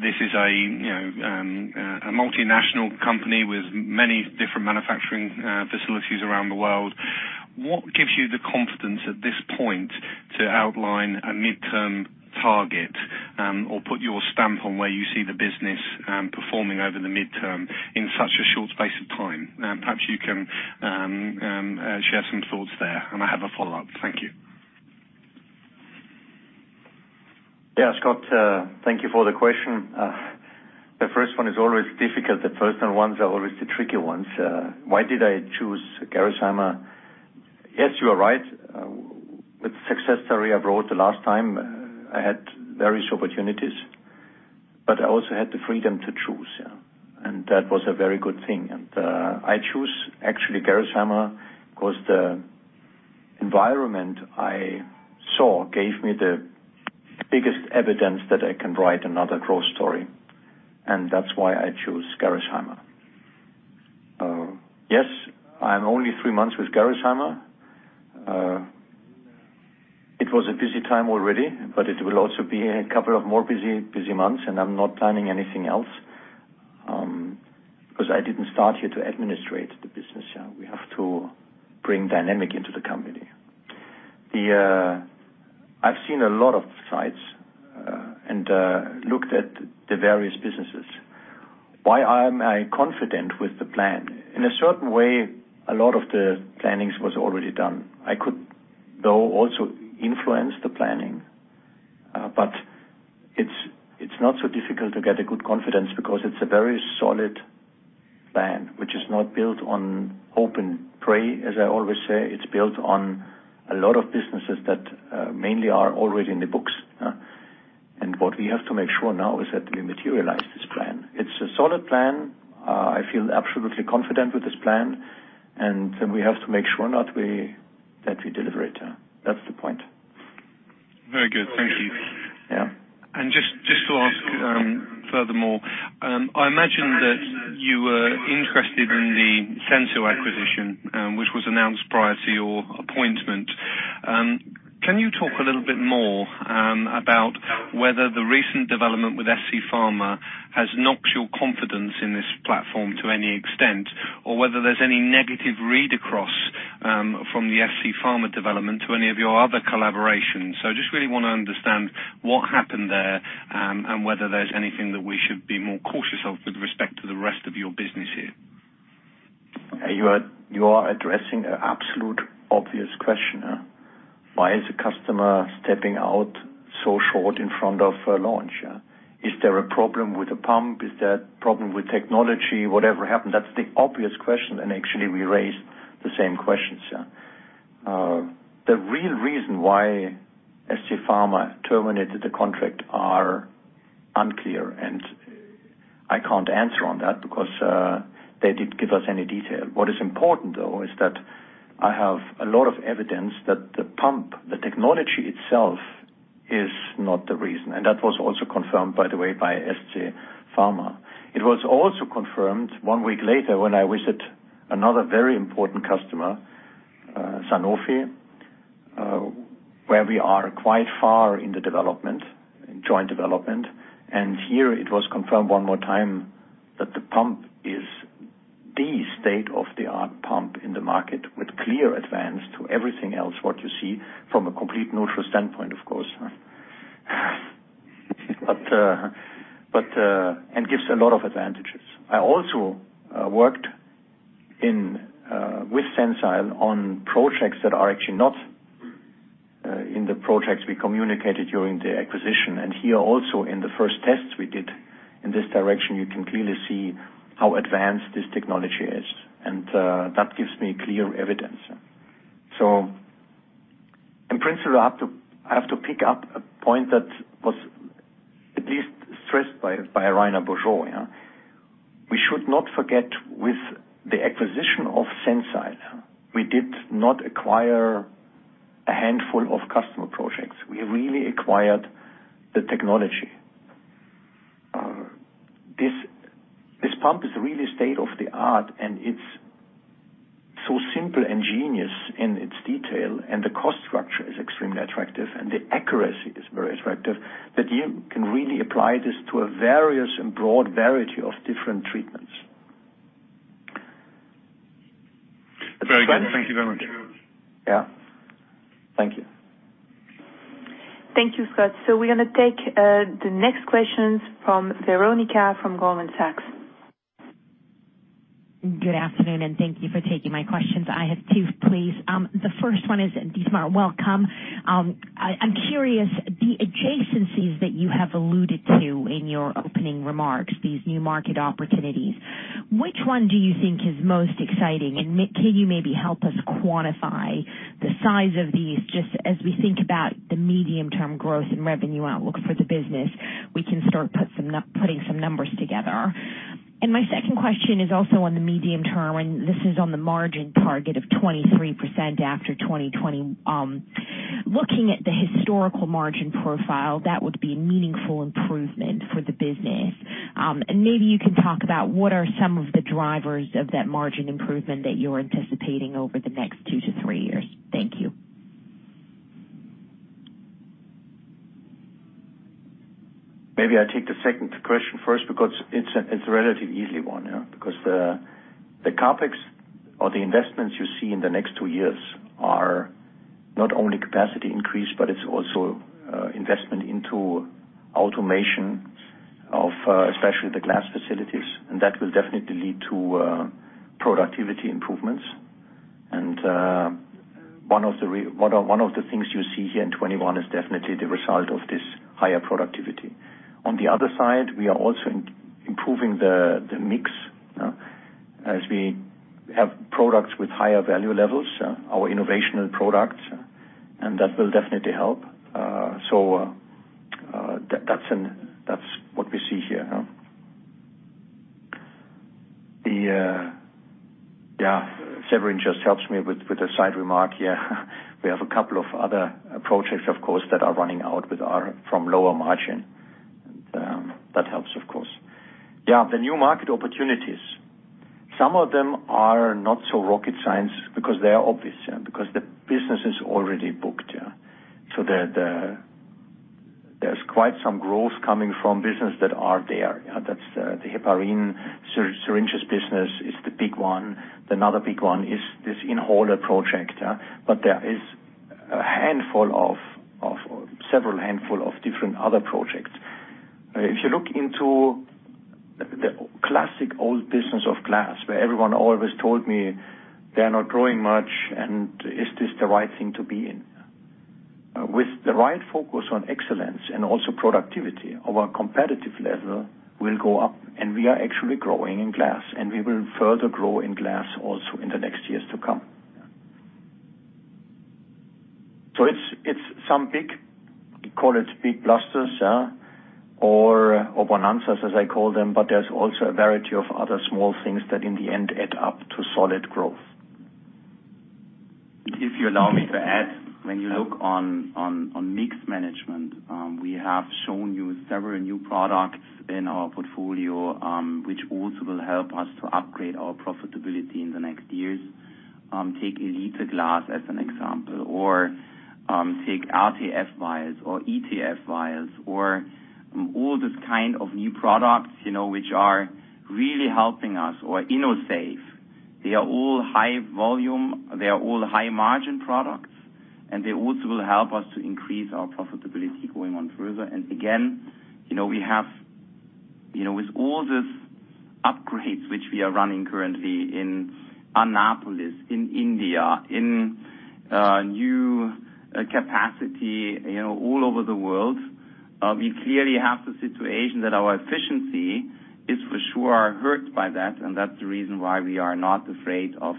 This is a multinational company with many different manufacturing facilities around the world. What gives you the confidence at this point to outline a midterm target or put your stamp on where you see the business performing over the midterm in such a short space of time? Perhaps you can share some thoughts there i have a follow-up. Thank you. Scott. Thank you for the question. The first one is always difficult the personal ones are always the tricky ones. Why did I choose Gerresheimer? Yes, you are right. With success story abroad the last time, I had various opportunities. I also had the freedom to choose, yeah. That was a very good thing. I choose actually Gerresheimer because the environment I saw gave me the biggest evidence that I can write another growth story, and that's why I choose Gerresheimer. Yes, I am only three months with Gerresheimer. It was a busy time already, it will also be a couple of more busy months, and I'm not planning anything else. Because I didn't start here to administrate the business. We have to bring dynamic into the company. I've seen a lot of sites and looked at the various businesses. Why am I confident with the plan? In a certain way, a lot of the planning was already done i could, though, also influence the planning. It's not so difficult to get a good confidence because it's a very solid plan, which is not built on hope and pray, as I always say it's built on a lot of businesses that mainly are already in the books. What we have to make sure now is that we materialize this plan. It's a solid plan. I feel absolutely confident with this plan, and we have to make sure that we deliver it, that's the point. Very good. Thank you. Yeah. Just to ask, furthermore. I imagine that you were interested in the Sensile acquisition, which was announced prior to your appointment. Can you talk a little bit more about whether the recent development with SC Pharma has knocked your confidence in this platform to any extent, or whether there's any negative read across from the SC Pharma development to any of your other collaborations? I just really want to understand what happened there and whether there's anything that we should be more cautious of with respect to the rest of your business here. You are addressing an absolute obvious question. Why is the customer stepping out so short in front of a launch? Is there a problem with the pump? Is there a problem with technology? Whatever happened that's the obvious question actually, we raised the same questions. The real reason why SC Pharma terminated the contract are unclear, I can't answer on that because they didn't give us any detail what is important, though, is that- I have a lot of evidence that the pump, the technology itself Is not the reason that was also confirmed, by the way, by SGD Pharma. It was also confirmed one week later when I visited another very important customer, Sanofi, where we are quite far in the joint development. Here it was confirmed one more time that the pump is the state-of-the-art pump in the market with clear advance to everything else what you see from a complete neutral standpoint, of course. Gives a lot of advantages. I also worked with Sensile on projects that are actually not in the projects we communicated during the acquisition and here also in the first tests we did in this direction, you can clearly see how advanced this technology is, and that gives me clear evidence. In principle, I have to pick up a point that was at least stressed by Rainer Beaujean. We should not forget with the acquisition of Sensile, we did not acquire a handful of customer projects. We really acquired the technology. This pump is really state of the art, and it's so simple and genius in its detail, and the cost structure is extremely attractive, and the accuracy is very attractive, that you can really apply this to a various and broad variety of different treatments. Very good. Thank you very much. Yeah. Thank you. Thank you, Scott. We're going to take the next questions from Veronica from Goldman Sachs. Good afternoon, thank you for taking my questions i have two, please. The first one is, Dietmar, welcome. I'm curious, the adjacencies that you have alluded to in your opening remarks, these new market opportunities, which one do you think is most exciting? Can you maybe help us quantify the size of these, just as we think about the medium-term growth and revenue outlook for the business, we can start putting some numbers together. My second question is also on the medium term, this is on the margin target of 23% after 2020. Looking at the historical margin profile, that would be a meaningful improvement for the business. Maybe you can talk about what are some of the drivers of that margin improvement that you're anticipating over the next two to three years. Thank you. Maybe I take the second question first because it's a relatively easy one. The CapEx or the investments you see in the next two years are not only capacity increase, but it's also investment into automation of especially the glass facilities, that will definitely lead to productivity improvements. One of the things you see here in 2021 is definitely the result of this higher productivity. On the other side, we are also improving the mix as we have products with higher value levels, our innovational products, that will definitely help. That's what we see here. Séverine just helps me with a side remark here. We have a couple of other projects, of course, that are running out from lower margin. That helps, of course. Yeah, the new market opportunities. Some of them are not so rocket science because they are obvious, because the business is already booked. There's quite some growth coming from business that are there the heparin syringes business is the big one. Another big one is this in-holder project. There is a handful of several handful of different other projects. If you look into the classic old business of glass, where everyone always told me they're not growing much, is this the right thing to be in? With the right focus on excellence and also productivity, our competitive level will go up, we are actually growing in glass, we will further grow in glass also in the next years to come. It's some big, call it big blusters or bonanzas as I call them, but there's also a variety of other small things that in the end add up to solid growth. If you allow me to add, when you look on mix management, we have shown you several new products in our portfolio, which also will help us to upgrade our profitability in the next years. Take Gx Elite glass as an example, or take RTF vials or ETF vials or all this kind of new products, which are really helping us or Gx InnoSafe. They are all high volume, they are all high margin products, and they also will help us to increase our profitability going on further again, with all these upgrades, which we are running currently in Anápolis, in India, in new capacity all over the world, we clearly have the situation that our efficiency is for sure hurt by that, and that's the reason why we are not afraid of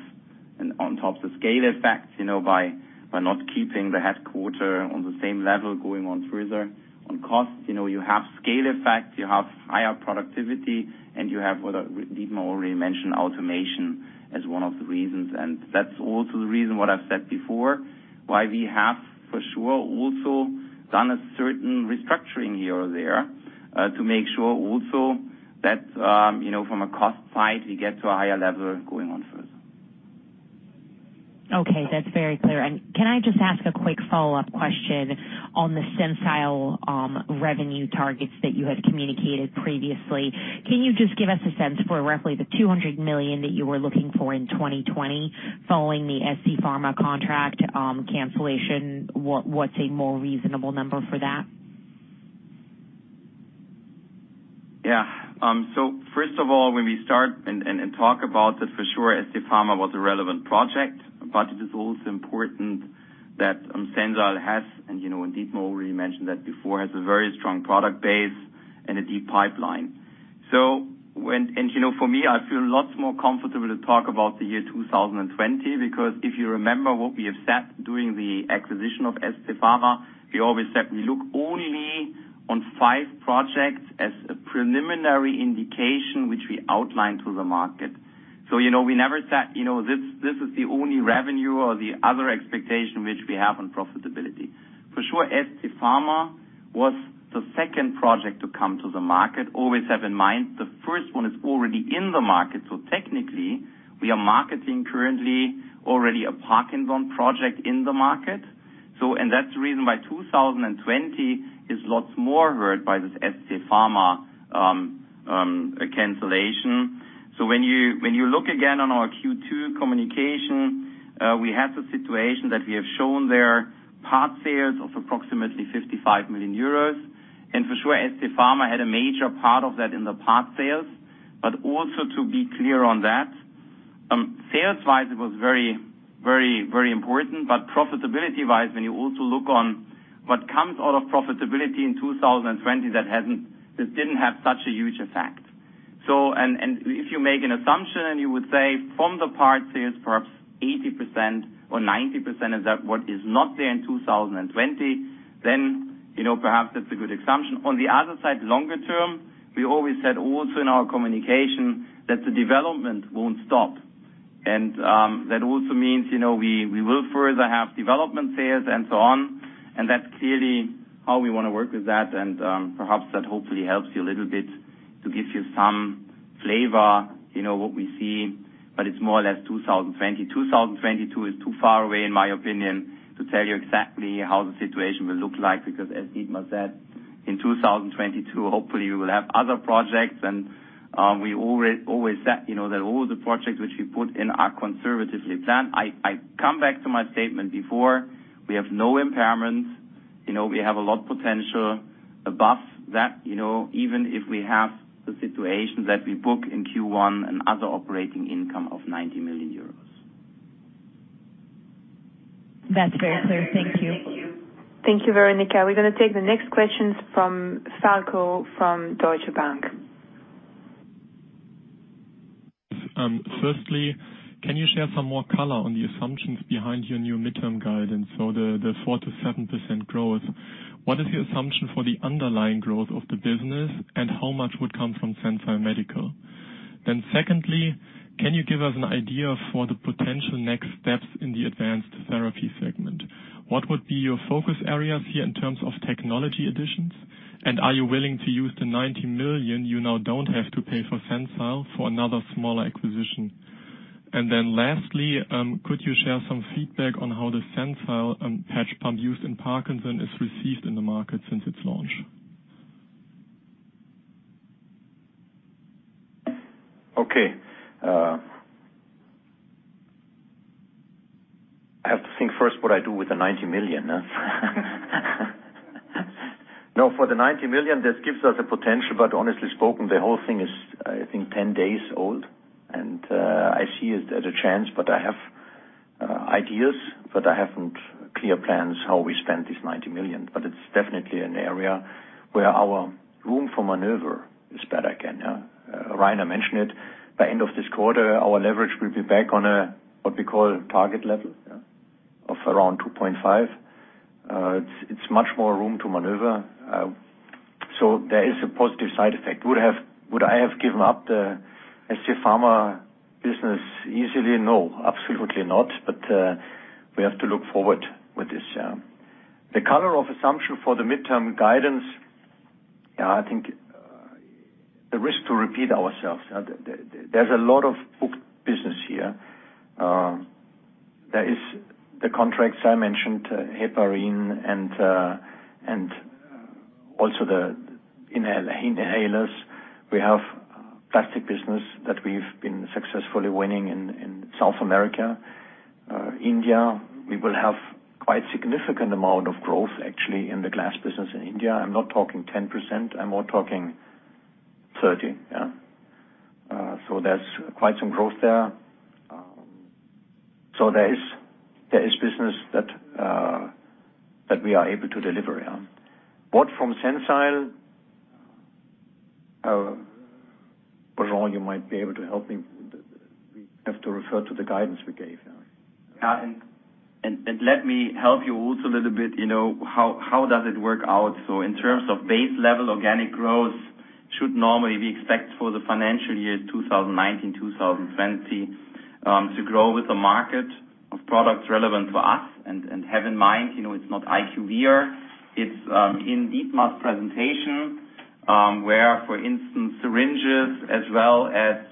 on top the scale effects, by not keeping the headquarters on the same level going on further. On costs, you have scale effects, you have higher productivity, and you have, what Dietmar already mentioned, automation as one of the reasons and that's also the reason what I've said before, why we have for sure also done a certain restructuring here or there to make sure also that from a cost side we get to a higher level going on further. Okay. That's very clear. Can I just ask a quick follow-up question on the Sensile revenue targets that you had communicated previously. Can you just give us a sense for roughly the 200 million that you were looking for in 2020 following the SC Pharma contract cancellation? What's a more reasonable number for that? Yeah. First of all, when we start and talk about it, for sure SC Pharma was a relevant project, but it is also important that Sensile has, and Dietmar already mentioned that before, has a very strong product base and a deep pipeline. When for me, I feel lots more comfortable to talk about the year 2020 because if you remember what we have said during the acquisition of SC Pharma, we always said we look only on five projects as a preliminary indication, which we outline to the market. We never said this is the only revenue or the other expectation which we have on profitability. For sure, SC Pharma was the second project to come to the market always have in mind, the first one is already in the market technically, we are marketing currently already a Parkinson project in the market. That's the reason why 2020 is lots more hurt by this SC Pharma cancellation. When you look again on our Q2 communication, we had the situation that we have shown there part sales of approximately 55 million euros. For sure, SC Pharma had a major part of that in the part sales. Also to be clear on that, sales wise, it was very important, but profitability wise, when you also look on what comes out of profitability in 2020, that didn't have such a huge effect. If you make an assumption and you would say from the part sales perhaps 80% or 90% of that what is not there in 2020, then perhaps that's a good assumption on the other side, longer term, we always said also in our communication that the development won't stop. That also means we will further have development sales and so on, that's clearly how we want to work with that and perhaps that hopefully helps you a little bit to give you some flavor, what we see. It's more or less 2020, 2022 is too far away, in my opinion, to tell you exactly how the situation will look like, because as Dietmar said. In 2022, hopefully we will have other projects and we always said that all the projects which we put in are conservatively planned. I come back to my statement before, we have no impairment. We have a lot potential above that, even if we have the situation that we book in Q1 and other operating income of 90 million euros. That's very clear. Thank you. Thank you, Veronica we're going to take the next questions from Falcó from Deutsche Bank. Can you share some more color on the assumptions behind your new midterm guidance? So the 4%-7% growth. What is your assumption for the underlying growth of the business and how much would come from Sensile Medical? Secondly, can you give us an idea for the potential next steps in the advanced therapy segment? What would be your focus areas here in terms of technology additions? Are you willing to use the 90 million you now don't have to pay for Sensile for another smaller acquisition? Lastly, could you share some feedback on how the Sensile patch pump used in Parkinson is received in the market since its launch? Okay. I have to think first what I do with the 90 million, huh? Honestly spoken, the whole thing is I think 10 days old and I see it as a chance, but I have ideas, but I haven't clear plans how we spend this 90 million it's definitely an area where our room for maneuver is better again. Rainer mentioned it. By end of this quarter, our leverage will be back on a, what we call target level of around 2.5. It's much more room to maneuver. There is a positive side effect would I have given up the SC Pharma business easily? No. Absolutely not. We have to look forward with this. The color of assumption for the midterm guidance, I think the risk to repeat ourselves there's a lot of booked business here. There is the contracts I mentioned, heparin and also the inhalers. We have plastic business that we've been successfully winning in South America. India, we will have quite significant amount of growth actually in the glass business in India i'm not talking 10%, I'm more talking 30%. There's quite some growth there. There is business that we are able to deliver on. Bought from Sensile, Rainer you might be able to help me. We have to refer to the guidance we gave. Let me help you also a little bit, how does it work out? In terms of base level organic growth should normally be expected for the financial year 2019, 2020, to grow with the market of products relevant to us and have in mind, it's not IQVIA. It's in Dietmar's presentation, where, for instance, syringes as well as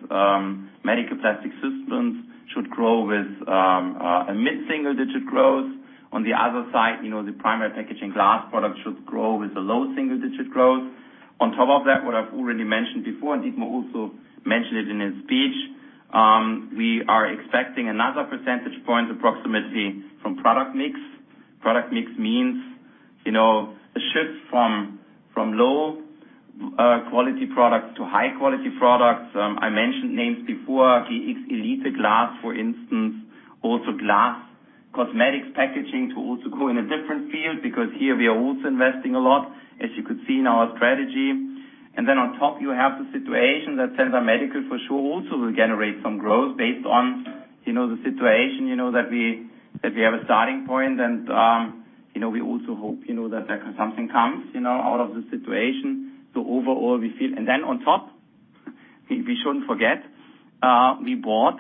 Medical Plastic Systems should grow with a mid-single-digit growth. On the other side, the Primary Packaging Glass product should grow with a low-single-digit growth. On top of that, what I've already mentioned before, Dietmar also mentioned it in his speech, we are expecting another percentage point approximately from product mix. Product mix means, the shift from low-quality products to high-quality products. I mentioned names before, the Gx Elite glass, for instance, also glass cosmetics packaging to also go in a different field because here we are also investing a lot, as you could see in our strategy. Then on top you have the situation Sensile Medical for sure also will generate some growth based on the situation, that we have a starting point. We also hope that something comes out of the situation. Then on top, we shouldn't forget, we got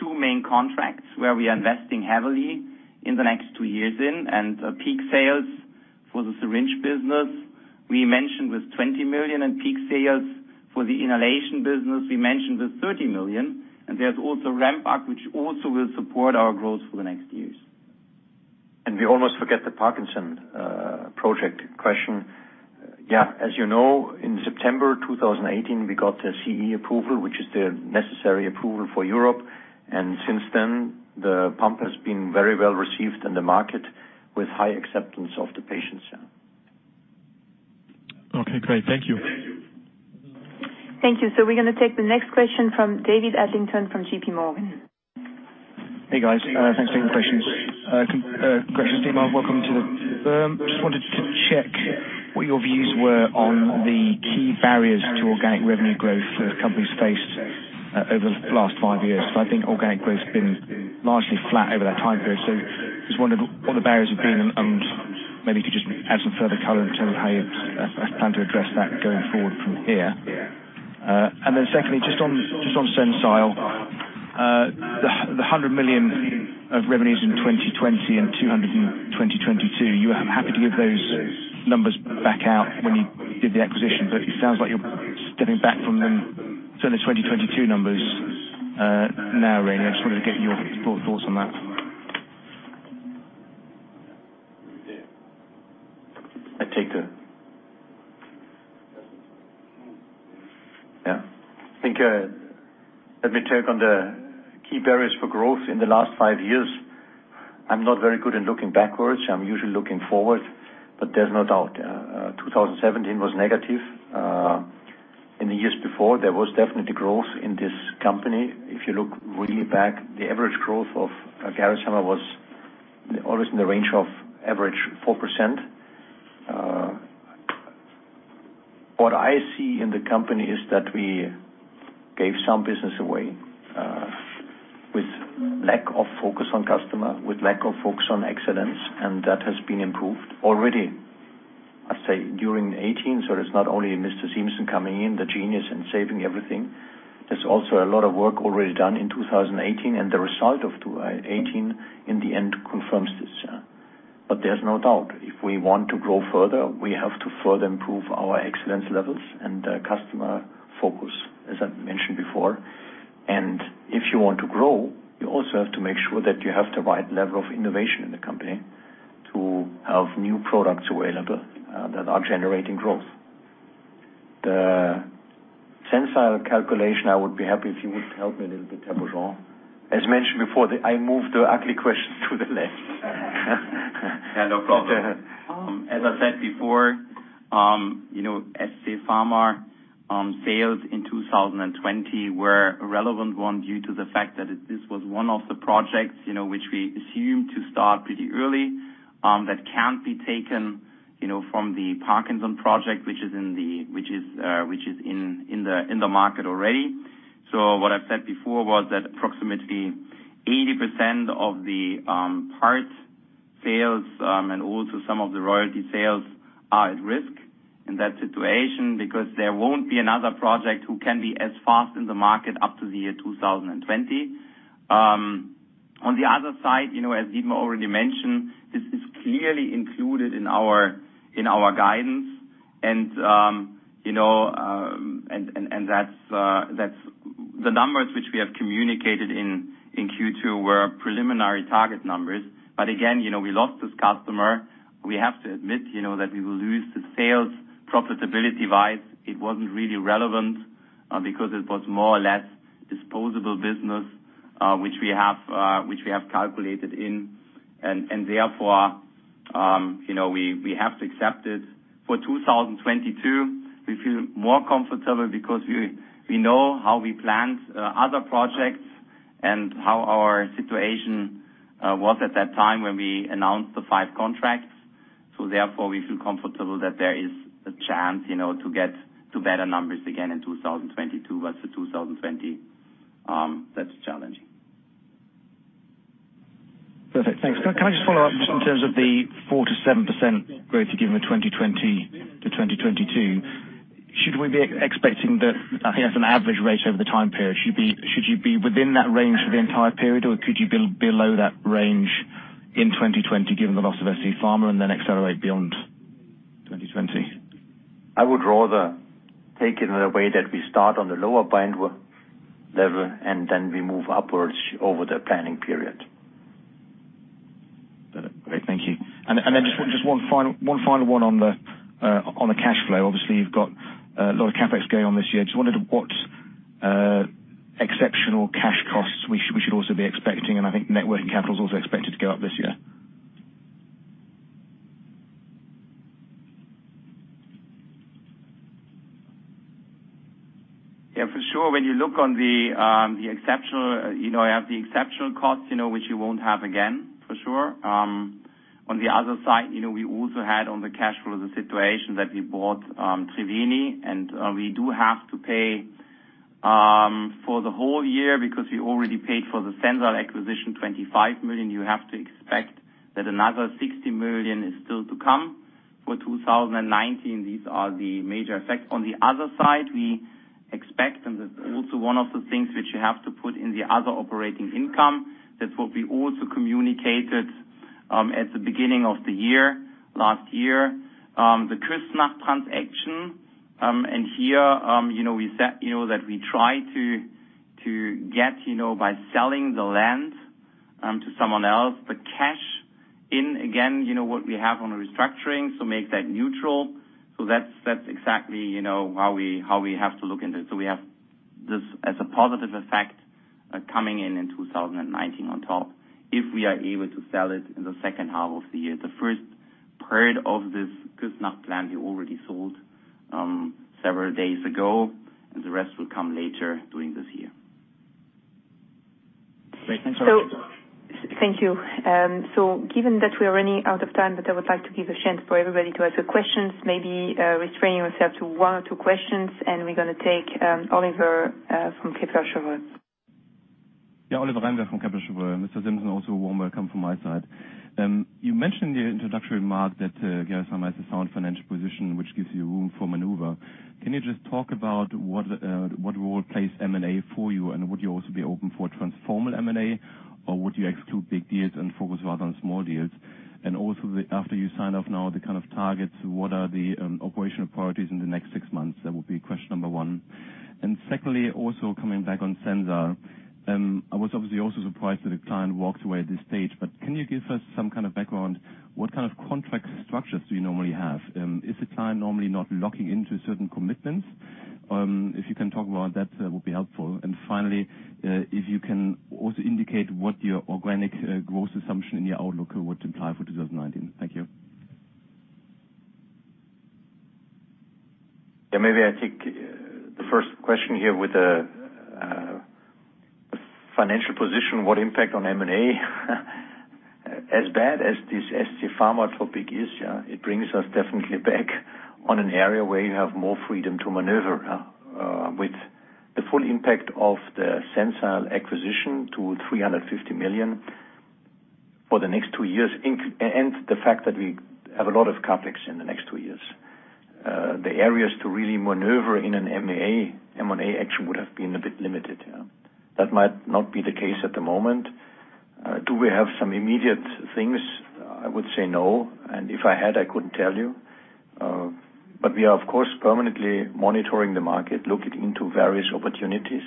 two main contracts where we are investing heavily in the next two years in, and peak sales for the syringe business we mentioned with 20 million, and peak sales for the inhalation business we mentioned with 30 million. There's also ramp-up, which also will support our growth for the next years. We almost forget the Parkinson's project question. As you know, in September 2018, we got the CE approval, which is the necessary approval for Europe. Since then, the pump has been very well received in the market with high acceptance of the patients. Okay, great. Thank you. Thank you. We're going to take the next question from David Adlington from J.P. Morgan. Hey, guys. Thanks for taking the questions. Congratulations, Dietmar just wanted to check what your views were on the key barriers to organic revenue growth the company's faced over the last five years. I think organic growth has been largely flat over that time period. I just wondered what the barriers have been, and maybe you could just add some further color in terms of how you plan to address that going forward from here. Secondly, just on Sensile. The 100 million of revenues in 2020 and 220 million in 2022, you were happy to give those numbers back out when you did the acquisition, but it sounds like you're stepping back from them. The 2022 numbers now really, I just wanted to get your thoughts on that. I take it. I think, let me take on the key barriers for growth in the last five years. I'm not very good in looking backwards i'm usually looking forward, but there's no doubt, 2017 was negative. In the years before, there was definitely growth in this company. If you look really back, the average growth of Gerresheimer was always in the range of average 4%. What I see in the company is that we gave some business away, with lack of focus on customer, with lack of focus on excellence, and that has been improved already, I'd say during 2018 it is not only Mr. Siemssen coming in, the genius and saving everything. There's also a lot of work already done in 2018 and the result of 2018 in the end confirms this. There's no doubt if we want to grow further, we have to further improve our excellence levels and customer focus, as I mentioned before. If you want to grow, you also have to make sure that you have the right level of innovation in the company to have new products available that are generating growth. The Sensile calculation, I would be happy if you would help me a little bit here, Rainer. As mentioned before, I moved the ugly questions to the left. No problem. As I said before, SC Pharma sales in 2020 were a relevant one due to the fact that this was one of the projects which we assumed to start pretty early. That can't be taken from the Parkinson project, which is in the market already. What I've said before was that approximately 80% of the parts sales, and also some of the royalty sales are at risk in that situation because there won't be another project who can be as fast in the market up to the year 2020. On the other side, as Dietmar already mentioned, this is clearly included in our guidance and the numbers which we have communicated in Q2 were preliminary target numbers. Again, we lost this customer. We have to admit that we will lose the sales profitability-wise. It wasn't really relevant, because it was more or less disposable business, which we have calculated in and therefore, we have to accept it. For 2022, we feel more comfortable because we know how we planned other projects and how our situation was at that time when we announced the five contracts. Therefore, we feel comfortable that there is a chance to get to better numbers again in 2022 versus 2020. That's challenging. Perfect. Thanks can I just follow up just in terms of the 4%-7% growth you give in 2020 to 2022? Should we be expecting that, I think that's an average rate over the time period should you be within that range for the entire period? or could you be below that range in 2020 given the loss of SC Pharma and then accelerate beyond 2020? I would rather take it the way that we start on the lower bound level, then we move upwards over the planning period. Got it. Okay, thank you. Just one final one on the cash flow obviously, you've got a lot of CapEx going on this year just wondered what exceptional cash costs we should also be expecting, and I think network capital is also expected to go up this year. Yeah, for sure. When you look on the exceptional, you have the exceptional costs, which you won't have again, for sure. On the other side, we also had on the cash flow of the situation that we bought Triveni, and we do have to pay for the whole year because we already paid for the Sensile acquisition, 25 million you have to expect that another 60 million is still to come. For 2019 these are the major effects on the other side, we expect, and that's also one of the things which you have to put in the other operating income, that's what we also communicated at the beginning of the year, last year, the Küssnacht transaction. Here, we said that we try to get by selling the land to someone else, the cash in again, what we have on the restructuring, so make that neutral. That's exactly how we have to look into it we have this as a positive effect coming in in 2019 on top, if we are able to sell it in the second half of the year the first part of this Küssnacht plan, we already sold several days ago, and the rest will come later during this year. Great. Thanks a lot. Thank you. Given that we are running out of time, but I would like to give a chance for everybody to ask questions, maybe restraining yourself to one or two questions, and we are going to take Oliver from Kepler Cheuvreux. Yeah, Oliver Reinberg from Kepler Cheuvreux. Mr. Siemssen, also a warm welcome from my side. You mentioned in the introductory remarks that Gerresheimer has a sound financial position, which gives you room for maneuver. Can you just talk about what role plays M&A for you, and would you also be open for transforming M&A, or would you exclude big deals and focus rather on small deals? Also, after you sign off now the kind of targets, what are the operational priorities in the next six months? That would be question number one. Secondly, also coming back on Sensile. I was obviously also surprised that a client walked away at this stage, can you give us some kind of background? What kind of contract structures do you normally have? Is the client normally not locking into certain commitments? If you can talk about that would be helpful and finally, if you can also indicate what your organic growth assumption in your outlook would imply for 2019. Thank you. Maybe I take the first question here with the financial position, what impact on M&A? As bad as this SC Pharma topic is, it brings us definitely back on an area where you have more freedom to maneuver with the full impact of the Sensile acquisition to 350 million for the next two years, and the fact that we have a lot of CapEx in the next two years. The areas to really maneuver in an M&A action would have been a bit limited. That might not be the case at the moment. Do we have some immediate things? I would say no, and if I had, I couldn't tell you. We are, of course, permanently monitoring the market, looking into various opportunities.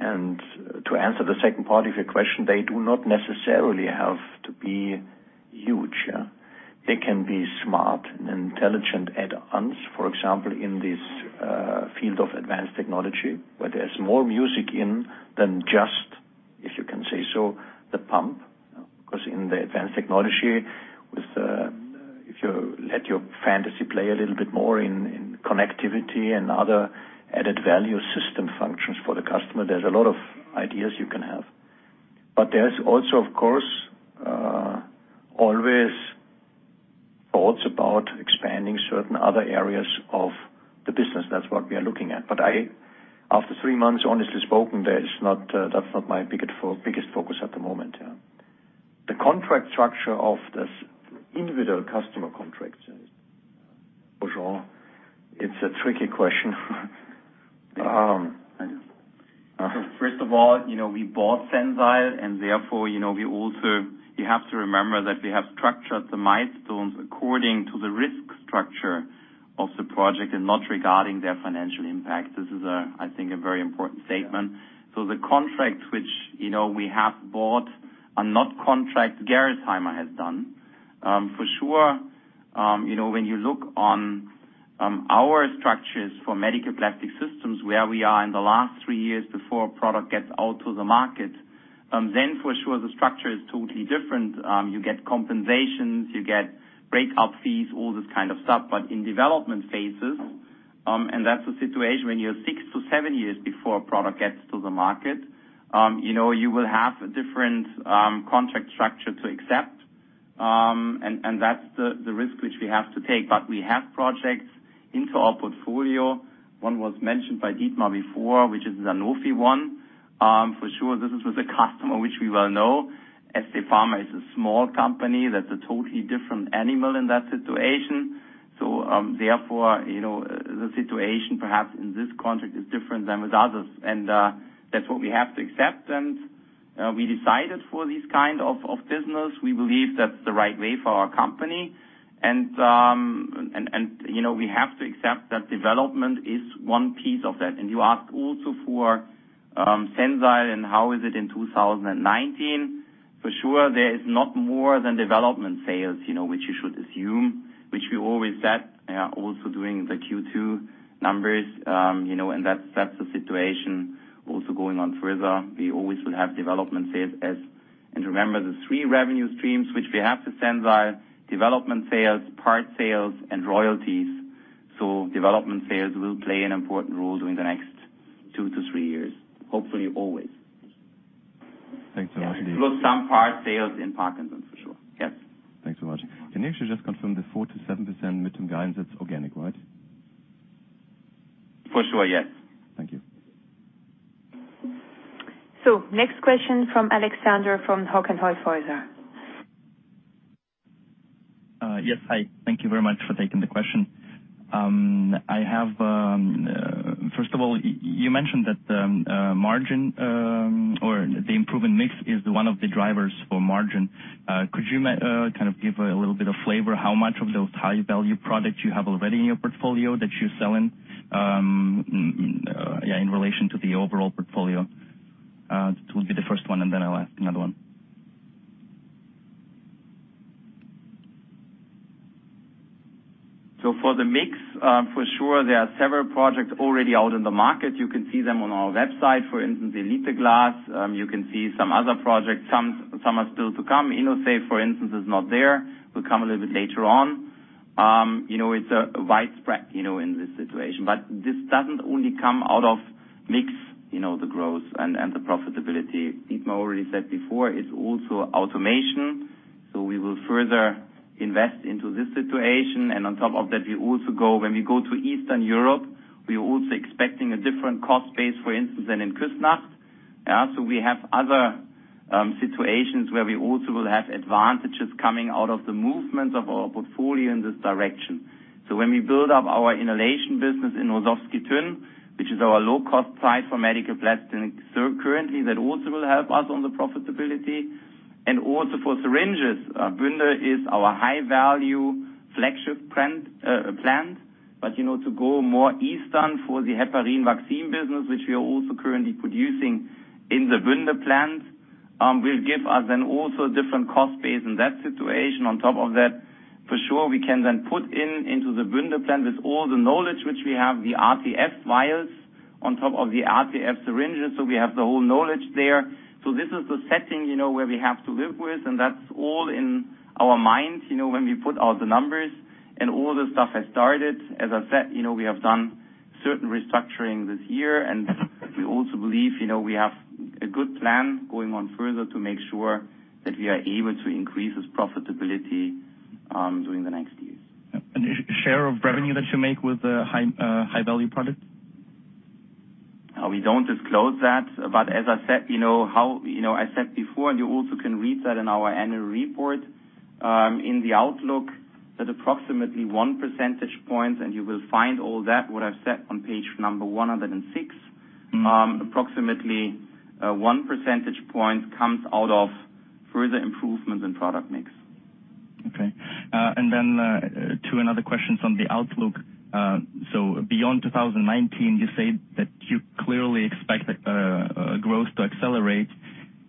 To answer the second part of your question, they do not necessarily have to be huge. They can be smart and intelligent add-ons for example, in this field of advanced technology, where there's more music in than just, if you can say so, the pump. In the advanced technology, if you let your fantasy play a little bit more in connectivity and other added value system functions for the customer, there's a lot of ideas you can have. There's also, of course, always thoughts about expanding certain other areas of the business that's what we are looking at. After three months, honestly spoken, that's not my biggest focus at the moment. The contract structure of this individual customer contracts. It's a tricky question. First of all, we bought Sensile, and therefore, you have to remember that we have structured the milestones according to the risk structure of the project and not regarding their financial impact this is, I think, a very important statement. The contracts which we have bought are not contracts Gerresheimer has done. For sure, when you look on our structures for Medical Plastic Systems, where we are in the last three years before a product gets out to the market, then for sure the structure is totally different. You get compensations, you get breakout fees, all this kind of stuff in development phases- -that's a situation when you're six to seven years before a product gets to the market. You will have a different contract structure to accept, and that's the risk which we have to take we have projects into our portfolio. One was mentioned by Dietmar before, which is the Sanofi one. For sure, this is with a customer which we well know. STD Pharma is a small company that's a totally different animal in that situation. Therefore, the situation perhaps in this contract is different than with others, and that's what we have to accept. We decided for this kind of business, we believe that's the right way for our company. We have to accept that development is one piece of that you asked also for Sensile and how is it in 2019. For sure, there is not more than development sales, which you should assume, which we always said, also doing the Q2 numbers. That's the situation also going on further we always will have development sales, and remember the three revenue streams which we have to Sensile, development sales, part sales, and royalties. Development sales will play an important role during the next two to three years, hopefully always. Thanks so much. Plus some part sales in Parkinson's, for sure. Yes. Thanks so much. Can you actually just confirm the 4%-7% midterm guidance, that's organic, right? For sure. Yes. Thank you. Next question from Alexander from Hauck & Aufhäuser. Yes, hi. Thank you very much for taking the question. First of all, you mentioned that margin or the improvement mix is one of the drivers for margin. Could you give a little bit of flavor how much of those high-value products you have already in your portfolio that you're selling in relation to the overall portfolio? This will be the first one, and then I'll ask another one. For the mix, for sure there are several projects already out in the market you can see them on our website for instance, Gx Elite glass. You can see some other projects some are still to come Gx InnoSafe, for instance, is not there, will come a little bit later on. It's widespread in this situation but this doesn't only come out of mix, the growth and the profitability. Dietmar already said before, it's also automation. We will further invest into this situation, and on top of that, when we go to Eastern Europe, we are also expecting a different cost base, for instance, than in Küsnacht. We have other situations where we also will have advantages coming out of the movement of our portfolio in this direction. When we build up our inhalation business in Horšovský Týn, which is our low-cost site for medical plastics currently, that also will help us on the profitability. Also for syringes, Bünde is our high-value flagship plant. To go more eastern for the heparin vaccine business, which we are also currently producing in the Bünde plant, will give us then also a different cost base in that situation on top of that- -for sure, we can then put into the Bünde plant with all the knowledge which we have, the RTF vials on top of the RTF syringes, so we have the whole knowledge there. This is the setting where we have to live with, and that's all in our minds when we put out the numbers and all the stuff has started. As I said, we have done certain restructuring this year. We also believe we have a good plan going on further to make sure that we are able to increase this profitability during the next years. Share of revenue that you make with the high-value products? We don't disclose that. As I said before, and you also can read that in our annual report, in the outlook, and you will find all that what I've said on page 106. Approximately 1 percentage point comes out of further improvement in product mix. Okay. Two other questions on the outlook. Beyond 2019, you say that you clearly expect growth to accelerate,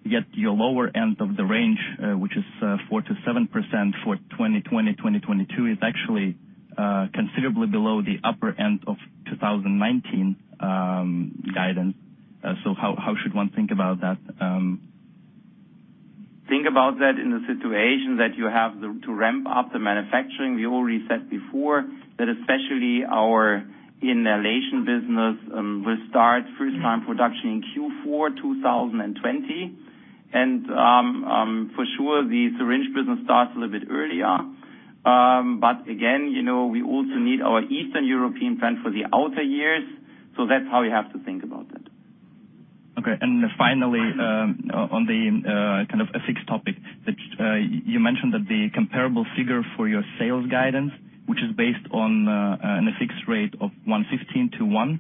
yet your lower end of the range, which is 4%-7% for 2020-2022, is actually considerably below the upper end of 2019 guidance. How should one think about that? Think about that in the situation that you have to ramp up the manufacturing we already said before that especially our inhalation business will start first-time production in Q4 2020. For sure, the syringe business starts a little bit earlier. Again, we also need our Eastern European plant for the outer years. That's how we have to think about that. Okay. Finally, on the kind of a FX topic that you mentioned that the comparable figure for your sales guidance, which is based on a fixed rate of 1.15 to 1,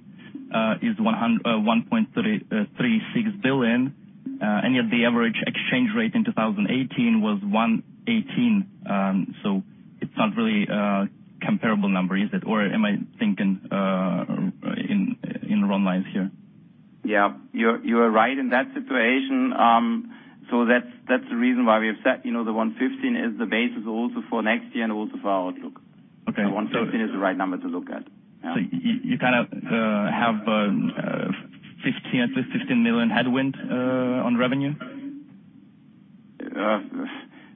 is 1.36 billion. Yet the average exchange rate in 2018 was 1.18 billion, it's not really a comparable number, is it? Am I thinking in wrong lines here? Yeah. You are right in that situation. That's the reason why we have set the 1.15 billion is the basis also for next year and also for our outlook. Okay. The 1.15 billion is the right number to look at. You kind of have at least 15 million headwind on revenue?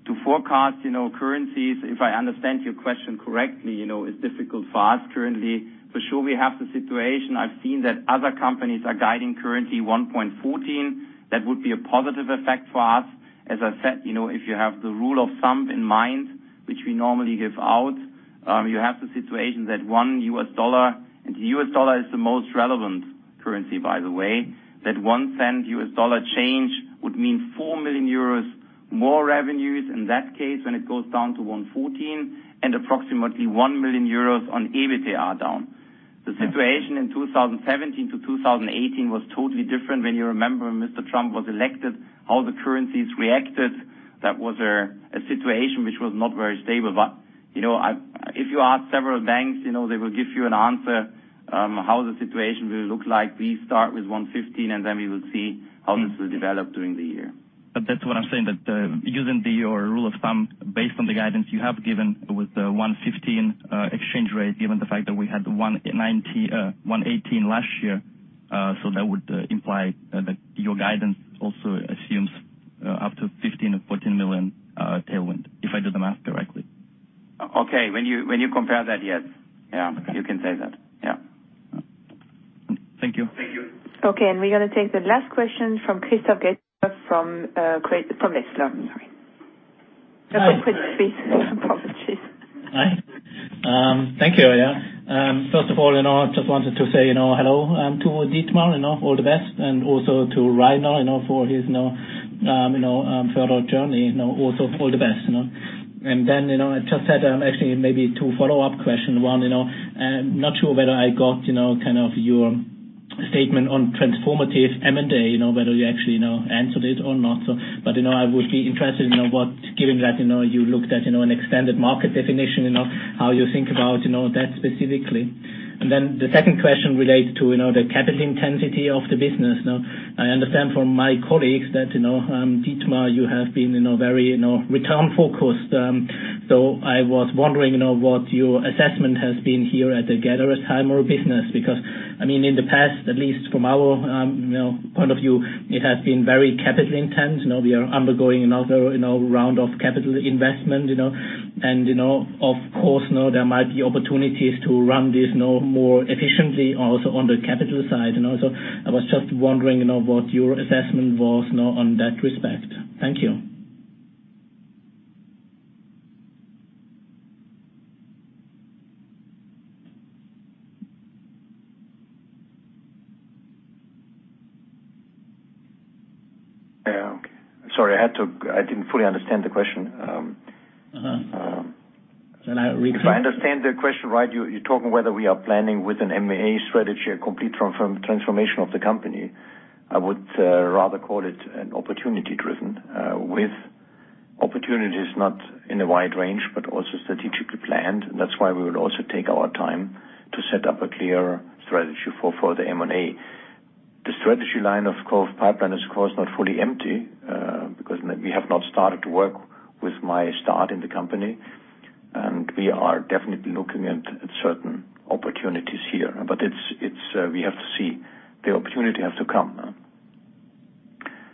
To forecast currencies, if I understand your question correctly, is difficult for us currently. For sure, we have the situation i have seen that other companies are guiding currency 1.14. That would be a positive effect for us. As I said, if you have the rule of thumb in mind, which we normally give out, you have the situation that one U.S. dollar, and the U.S. dollar is the most relevant currency, by the way, that $0.01 U.S. dollar change would mean 4 million euros more revenues in that case when it goes down to 1.14, and approximately 1 million euros on EBITDA down. The situation in 2017-2018 was totally different when you remember Mr. Trump was elected, how the currencies reacted, that was a situation which was not very stable. If you ask several banks, they will give you an answer how the situation will look like. We start with 1.15, and then we will see how this will develop during the year. That's what I'm saying, that using your rule of thumb based on the guidance you have given with the 1.15 exchange rate, given the fact that we had 1.18 last year, that would imply that your guidance also assumes up to 15 million or 14 million tailwind, if I do the math correctly. Okay. When you compare that, yes. Okay. You can say that. Yeah. Thank you. Thank you. Okay, we're going to take the last question from Christoph Keplinger from Max Planck Institute for Intelligent Systems. I'm sorry. Hi. Go for it, please. Hi. Thank you. First of all, just wanted to say hello to Dietmar, all the best, and also to Rainer for his further journey, also, all the best. I just had actually maybe two follow-up question one, I'm not sure whether I got your statement on transformative M&A, whether you actually answered it or not. I would be interested in what, given that you looked at an extended market definition, how you think about that specifically. The second question relates to the capital intensity of the business. Now, I understand from my colleagues that Dietmar, you have been very return-focused. I was wondering what your assessment has been here at the Gerresheimer business, because in the past, at least from our point of view, it has been very capital intense we are undergoing another round of capital investment. Of course, now there might be opportunities to run this more efficiently also on the capital side. I was just wondering what your assessment was now on that respect. Thank you. Yeah, okay. Sorry, I didn't fully understand the question. I repeat. If I understand the question right, you're talking whether we are planning with an M&A strategy, a complete transformation of the company. I would rather call it an opportunity driven, with opportunities not in a wide range, but also strategically planned. That's why we will also take our time to set up a clear strategy for the M&A. The strategy line of pipeline is, of course, not fully empty, because we have not started to work with my start in the company, and we are definitely looking at certain opportunities here. We have to see the opportunity has to come.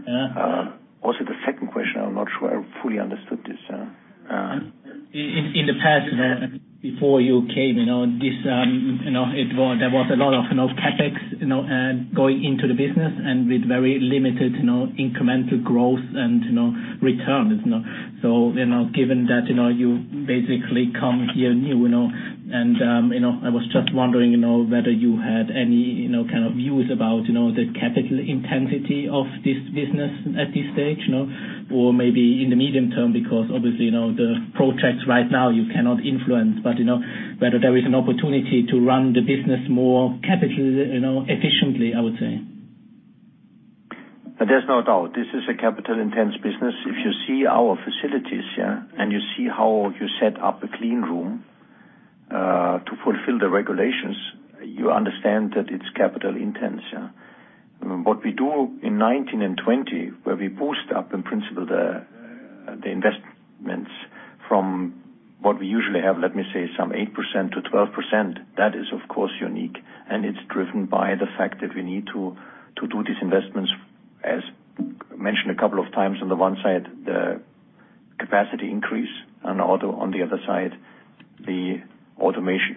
Yeah. The second question, I'm not sure I fully understood this. In the past, before you came in, there was a lot of CapEx going into the business and with very limited incremental growth and return. Given that you basically come here new, and I was just wondering whether you had any kind of views about the capital intensity of this business at this stage or maybe in the medium term, because obviously, the projects right now, you cannot influence. Whether there is an opportunity to run the business more capital efficiently, I would say. There's no doubt this is a capital intense business. If you see our facilities here and you see how you set up a clean room to fulfill the regulations, you understand that it's capital intense. What we do in 2019 and 2020, where we boost up, in principle- -the investments from what we usually have, let me say, some 8%-12%, that is, of course, unique, and it's driven by the fact that we need to do these investments, as mentioned a couple of times, on the one side, the capacity increase, and also, on the other side, the automation.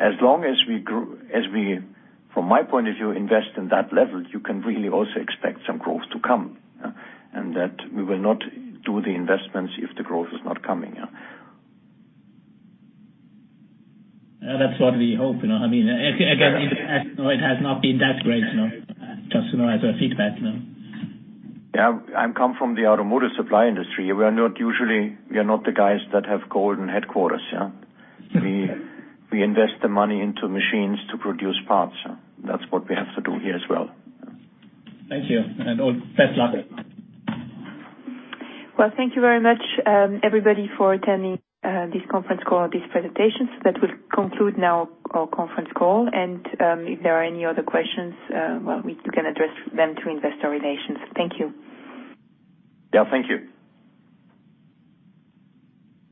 From my point of view, invest in that level, you can really also expect some growth to come. That we will not do the investments if the growth is not coming. That's what we hope. Again, in the past, it has not been that great. Just as a feedback. I come from the automotive supply industry we are not the guys that have golden headquarters. Yeah. We invest the money into machines to produce parts. That's what we have to do here as well. Thank you, best luck. Thank you very much, everybody, for attending this conference call and this presentation. That will conclude now our conference call, and if there are any other questions, well, we can address them to investor relations thank you. Thank you.